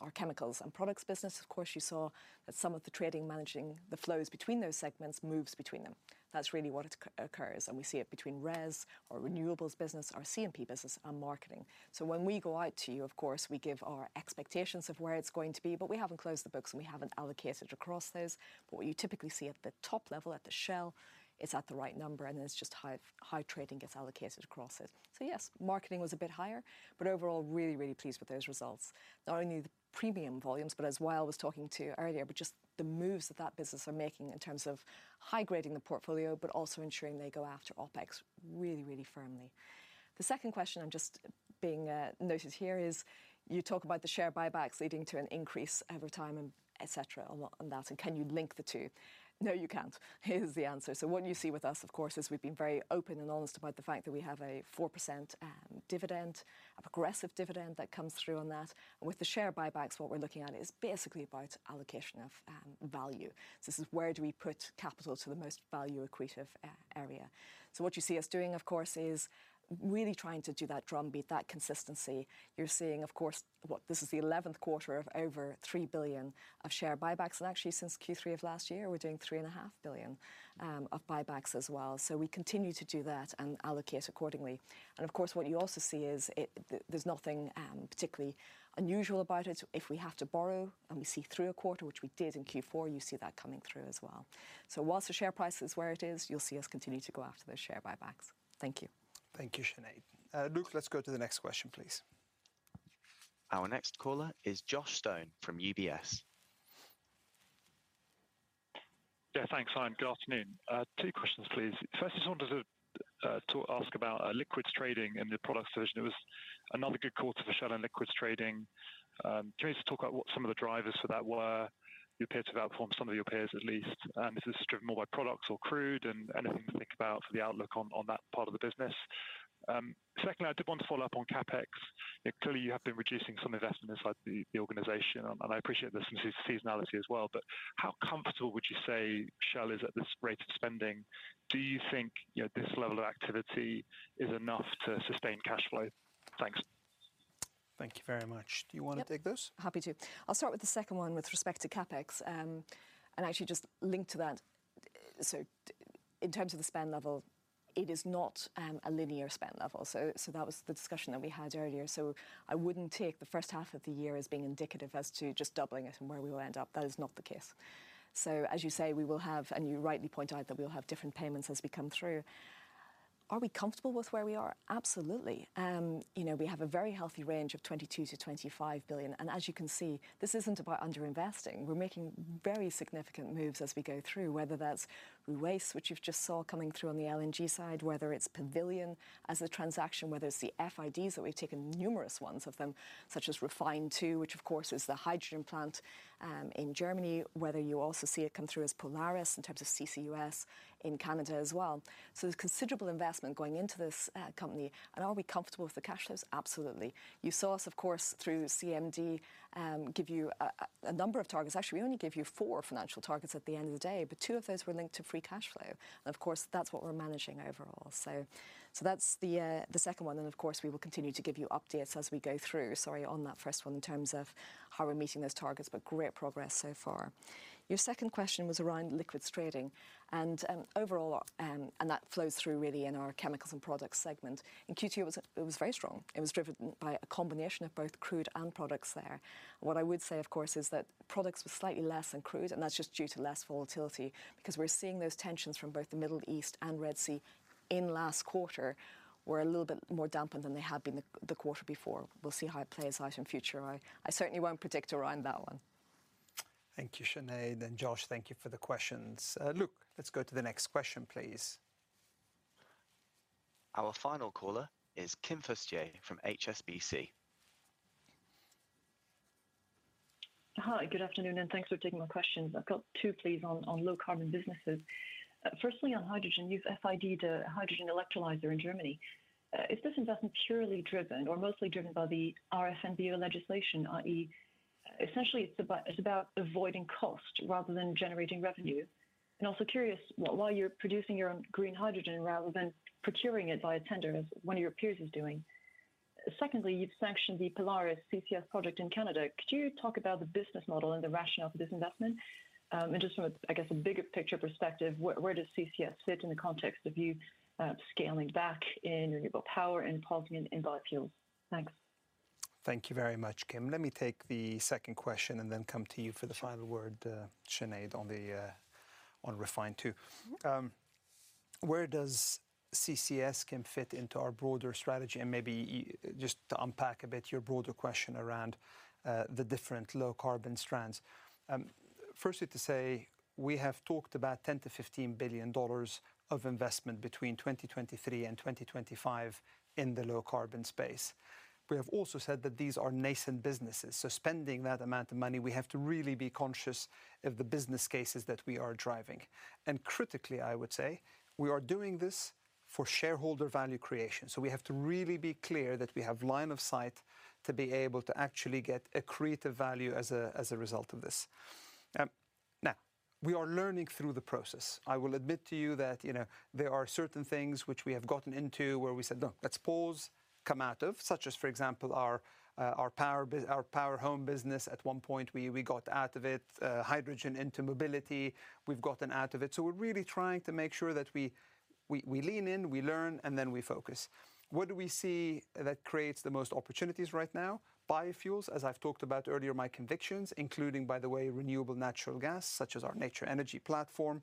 our chemicals and products business, of course, you saw that some of the trading, managing the flows between those segments moves between them. That's really what occurs, and we see it between RES, our renewables business, our CMP business, and marketing. So when we go out to you, of course, we give our expectations of where it's going to be, but we haven't closed the books and we haven't allocated across those. But what you typically see at the top level, at the Shell, it's at the right number, and then it's just how high trading gets allocated across it. So yes, marketing was a bit higher, but overall, really, really pleased with those results. Not only the premium volumes, but as Wael was talking to you earlier, but just the moves that that business are making in terms of high grading the portfolio, but also ensuring they go after OpEx really, really firmly. The second question I'm just being noted here is: You talk about the share buybacks leading to an increase over time, and et cetera, on that, and can you link the two? No, you can't. Here's the answer. So what you see with us, of course, is we've been very open and honest about the fact that we have a 4% dividend, a progressive dividend that comes through on that. And with the share buybacks, what we're looking at is basically about allocation of value. This is where do we put capital to the most value accretive area? So what you see us doing, of course, is really trying to do that drum beat, that consistency. You're seeing, of course, what this is the eleventh quarter of over $3 billion of share buybacks, and actually since Q3 of last year, we're doing $3.5 billion of buybacks as well. So we continue to do that and allocate accordingly. And of course, what you also see is it, there's nothing particularly unusual about it. If we have to borrow and we see through a quarter, which we did in Q4, you see that coming through as well. So while the share price is where it is, you'll see us continue to go after those share buybacks. Thank you. Thank you, Sinead. Luke, let's go to the next question, please. Our next caller is Josh Stone from UBS. Yeah, thanks. Hi, and good afternoon. Two questions, please. First, I just wanted to ask about liquids trading in the product division. It was another good quarter for Shell and liquids trading. Can you just talk about what some of the drivers for that were? You appeared to perform some of your peers at least. Is this driven more by products or crude, and anything to think about for the outlook on that part of the business? Secondly, I did want to follow up on CapEx. Clearly, you have been reducing some investment inside the organization, and I appreciate there's some seasonality as well, but how comfortable would you say Shell is at this rate of spending? Do you think, you know, this level of activity is enough to sustain cash flow? Thanks. Thank you very much. Do you wanna take this? Happy to. I'll start with the second one with respect to CapEx, and actually just link to that. So in terms of the spend level, it is not a linear spend level. So, so that was the discussion that we had earlier. So I wouldn't take the first half of the year as being indicative as to just doubling it and where we will end up. That is not the case. So as you say, we will have, and you rightly point out, that we'll have different payments as we come through. Are we comfortable with where we are? Absolutely. You know, we have a very healthy range of $22 billion-$25 billion, and as you can see, this isn't about underinvesting. We're making very significant moves as we go through, whether that's Ruwais, which you've just saw coming through on the LNG side, whether it's Pavilion as a transaction, whether it's the FIDs that we've taken, numerous ones of them, such as REFHYNE II, which of course is the hydrogen plant in Germany. Whether you also see it come through as Polaris in terms of CCUS in Canada as well. So there's considerable investment going into this company. And are we comfortable with the cash flows? Absolutely. You saw us, of course, through CMD give you a number of targets. Actually, we only gave you four financial targets at the end of the day, but two of those were linked to free cash flow, and of course, that's what we're managing overall. So, so that's the, the second one, and of course, we will continue to give you updates as we go through. Sorry on that first one in terms of how we're meeting those targets, but great progress so far. Your second question was around liquids trading and, overall... And that flows through really in our chemicals and products segment. In Q2, it was very strong. It was driven by a combination of both crude and products there. What I would say, of course, is that products were slightly less than crude, and that's just due to less volatility, because we're seeing those tensions from both the Middle East and Red Sea in last quarter were a little bit more dampened than they had been the quarter before. We'll see how it plays out in future. I certainly won't predict around that one. Thank you, Sinead, and Josh, thank you for the questions. Luke, let's go to the next question, please. Our final caller is Kim Fustier from HSBC. Hi, good afternoon, and thanks for taking my questions. I've got two, please, on low-carbon businesses. Firstly, on hydrogen, you've FID-ed a hydrogen electrolyzer in Germany. Is this investment purely driven or mostly driven by the RFNBO legislation, i.e., essentially, it's about avoiding cost rather than generating revenue? And also curious why you're producing your own green hydrogen rather than procuring it via tender, as one of your peers is doing. Secondly, you've sanctioned the Polaris CCS project in Canada. Could you talk about the business model and the rationale for this investment? And just from a, I guess, bigger picture perspective, where does CCS fit in the context of you scaling back in renewable power and pausing in biofuels? Thanks. Thank you very much, Kim. Let me take the second question and then come to you for the final word, Sinead, on REFHYNE II. Where does CCS, Kim, fit into our broader strategy? And maybe just to unpack a bit, your broader question around the different low-carbon strands. Firstly to say, we have talked about $10 billion-$15 billion of investment between 2023 and 2025 in the low-carbon space. We have also said that these are nascent businesses, so spending that amount of money, we have to really be conscious of the business cases that we are driving. And critically, I would say, we are doing this for shareholder value creation, so we have to really be clear that we have line of sight to be able to actually get accretive value as a result of this. Now, we are learning through the process. I will admit to you that, you know, there are certain things which we have gotten into where we said, "No, let's pause, come out of," such as, for example, our power home business. At one point, we got out of it. Hydrogen into mobility, we've gotten out of it. So we're really trying to make sure that we lean in, we learn, and then we focus. What do we see that creates the most opportunities right now? Biofuels, as I've talked about earlier, my convictions, including, by the way, renewable natural gas, such as our Nature Energy platform.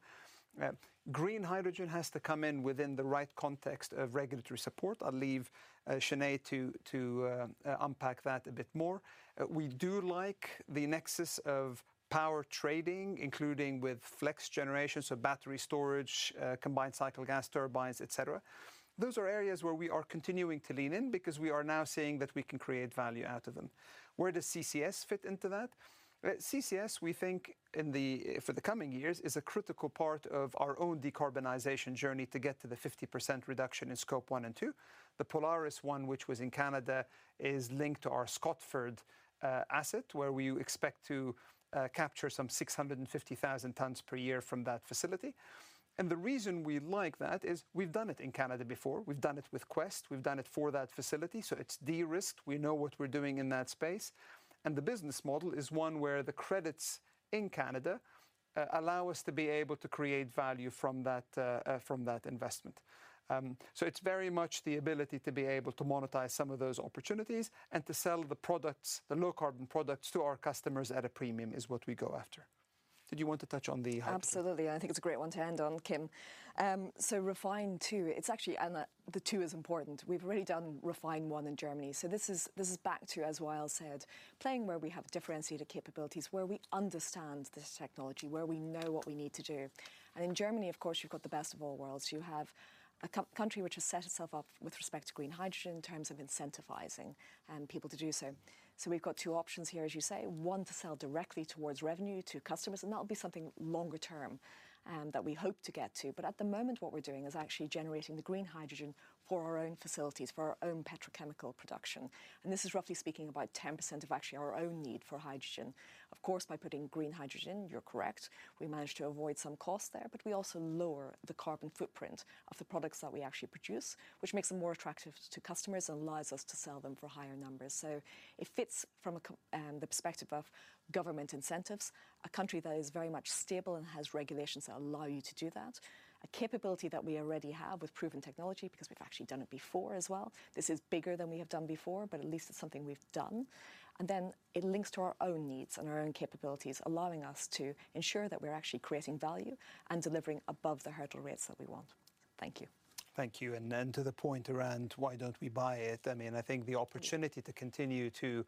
Green hydrogen has to come in within the right context of regulatory support. I'll leave Sinead to unpack that a bit more. We do like the nexus of power trading, including with flex generation, so battery storage, combined cycle gas turbines, et cetera. Those are areas where we are continuing to lean in because we are now seeing that we can create value out of them. Where does CCS fit into that? CCS, we think in the, for the coming years, is a critical part of our own decarbonization journey to get to the 50% reduction in Scope 1 and 2. The Polaris one, which was in Canada, is linked to our Scotford asset, where we expect to capture some 650,000 tons per year from that facility. And the reason we like that is we've done it in Canada before. We've done it with Quest. We've done it for that facility, so it's de-risked. We know what we're doing in that space, and the business model is one where the credits in Canada allow us to be able to create value from that investment. So it's very much the ability to be able to monetize some of those opportunities and to sell the products, the low-carbon products, to our customers at a premium, is what we go after. Did you want to touch on the hydrogen? Absolutely, I think it's a great one to end on, Kim. So REFHYNE II, it's actually. And the two is important. We've already done REFHYNE I in Germany, so this is, this is back to, as Wael said, playing where we have differentiated capabilities, where we understand the technology, where we know what we need to do. And in Germany, of course, you've got the best of all worlds. You have a country which has set itself up with respect to green hydrogen in terms of incentivizing, people to do so. So we've got two options here, as you say: one, to sell directly towards revenue to customers, and that'll be something longer term, that we hope to get to. But at the moment, what we're doing is actually generating the green hydrogen for our own facilities, for our own petrochemical production, and this is roughly speaking, about 10% of actually our own need for hydrogen. Of course, by putting green hydrogen, you're correct, we manage to avoid some cost there, but we also lower the carbon footprint of the products that we actually produce, which makes them more attractive to customers and allows us to sell them for higher numbers. So it fits from the perspective of government incentives, a country that is very much stable and has regulations that allow you to do that, a capability that we already have with proven technology, because we've actually done it before as well. This is bigger than we have done before, but at least it's something we've done. And then it links to our own needs and our own capabilities, allowing us to ensure that we're actually creating value and delivering above the hurdle rates that we want. Thank you. Thank you, and then to the point around why don't we buy it. I mean, I think the opportunity to continue to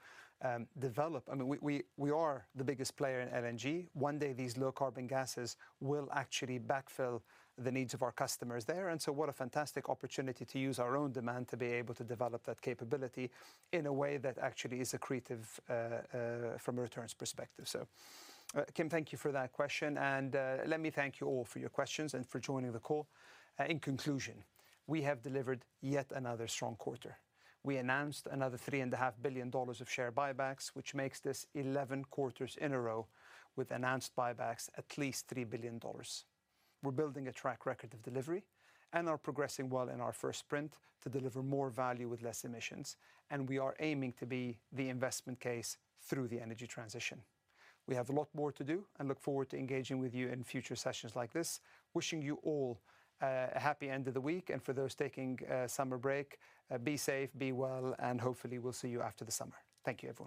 develop. I mean, we are the biggest player in LNG. One day, these low-carbon gases will actually backfill the needs of our customers there, and so what a fantastic opportunity to use our own demand to be able to develop that capability in a way that actually is accretive from a returns perspective. So, Kim, thank you for that question, and let me thank you all for your questions and for joining the call. In conclusion, we have delivered yet another strong quarter. We announced another $3.5 billion of share buybacks, which makes this 11 quarters in a row with announced buybacks at least $3 billion. We're building a track record of delivery and are progressing well in our first sprint to deliver more value with less emissions, and we are aiming to be the investment case through the energy transition. We have a lot more to do and look forward to engaging with you in future sessions like this. Wishing you all a happy end of the week, and for those taking a summer break, be safe, be well, and hopefully, we'll see you after the summer. Thank you, everyone.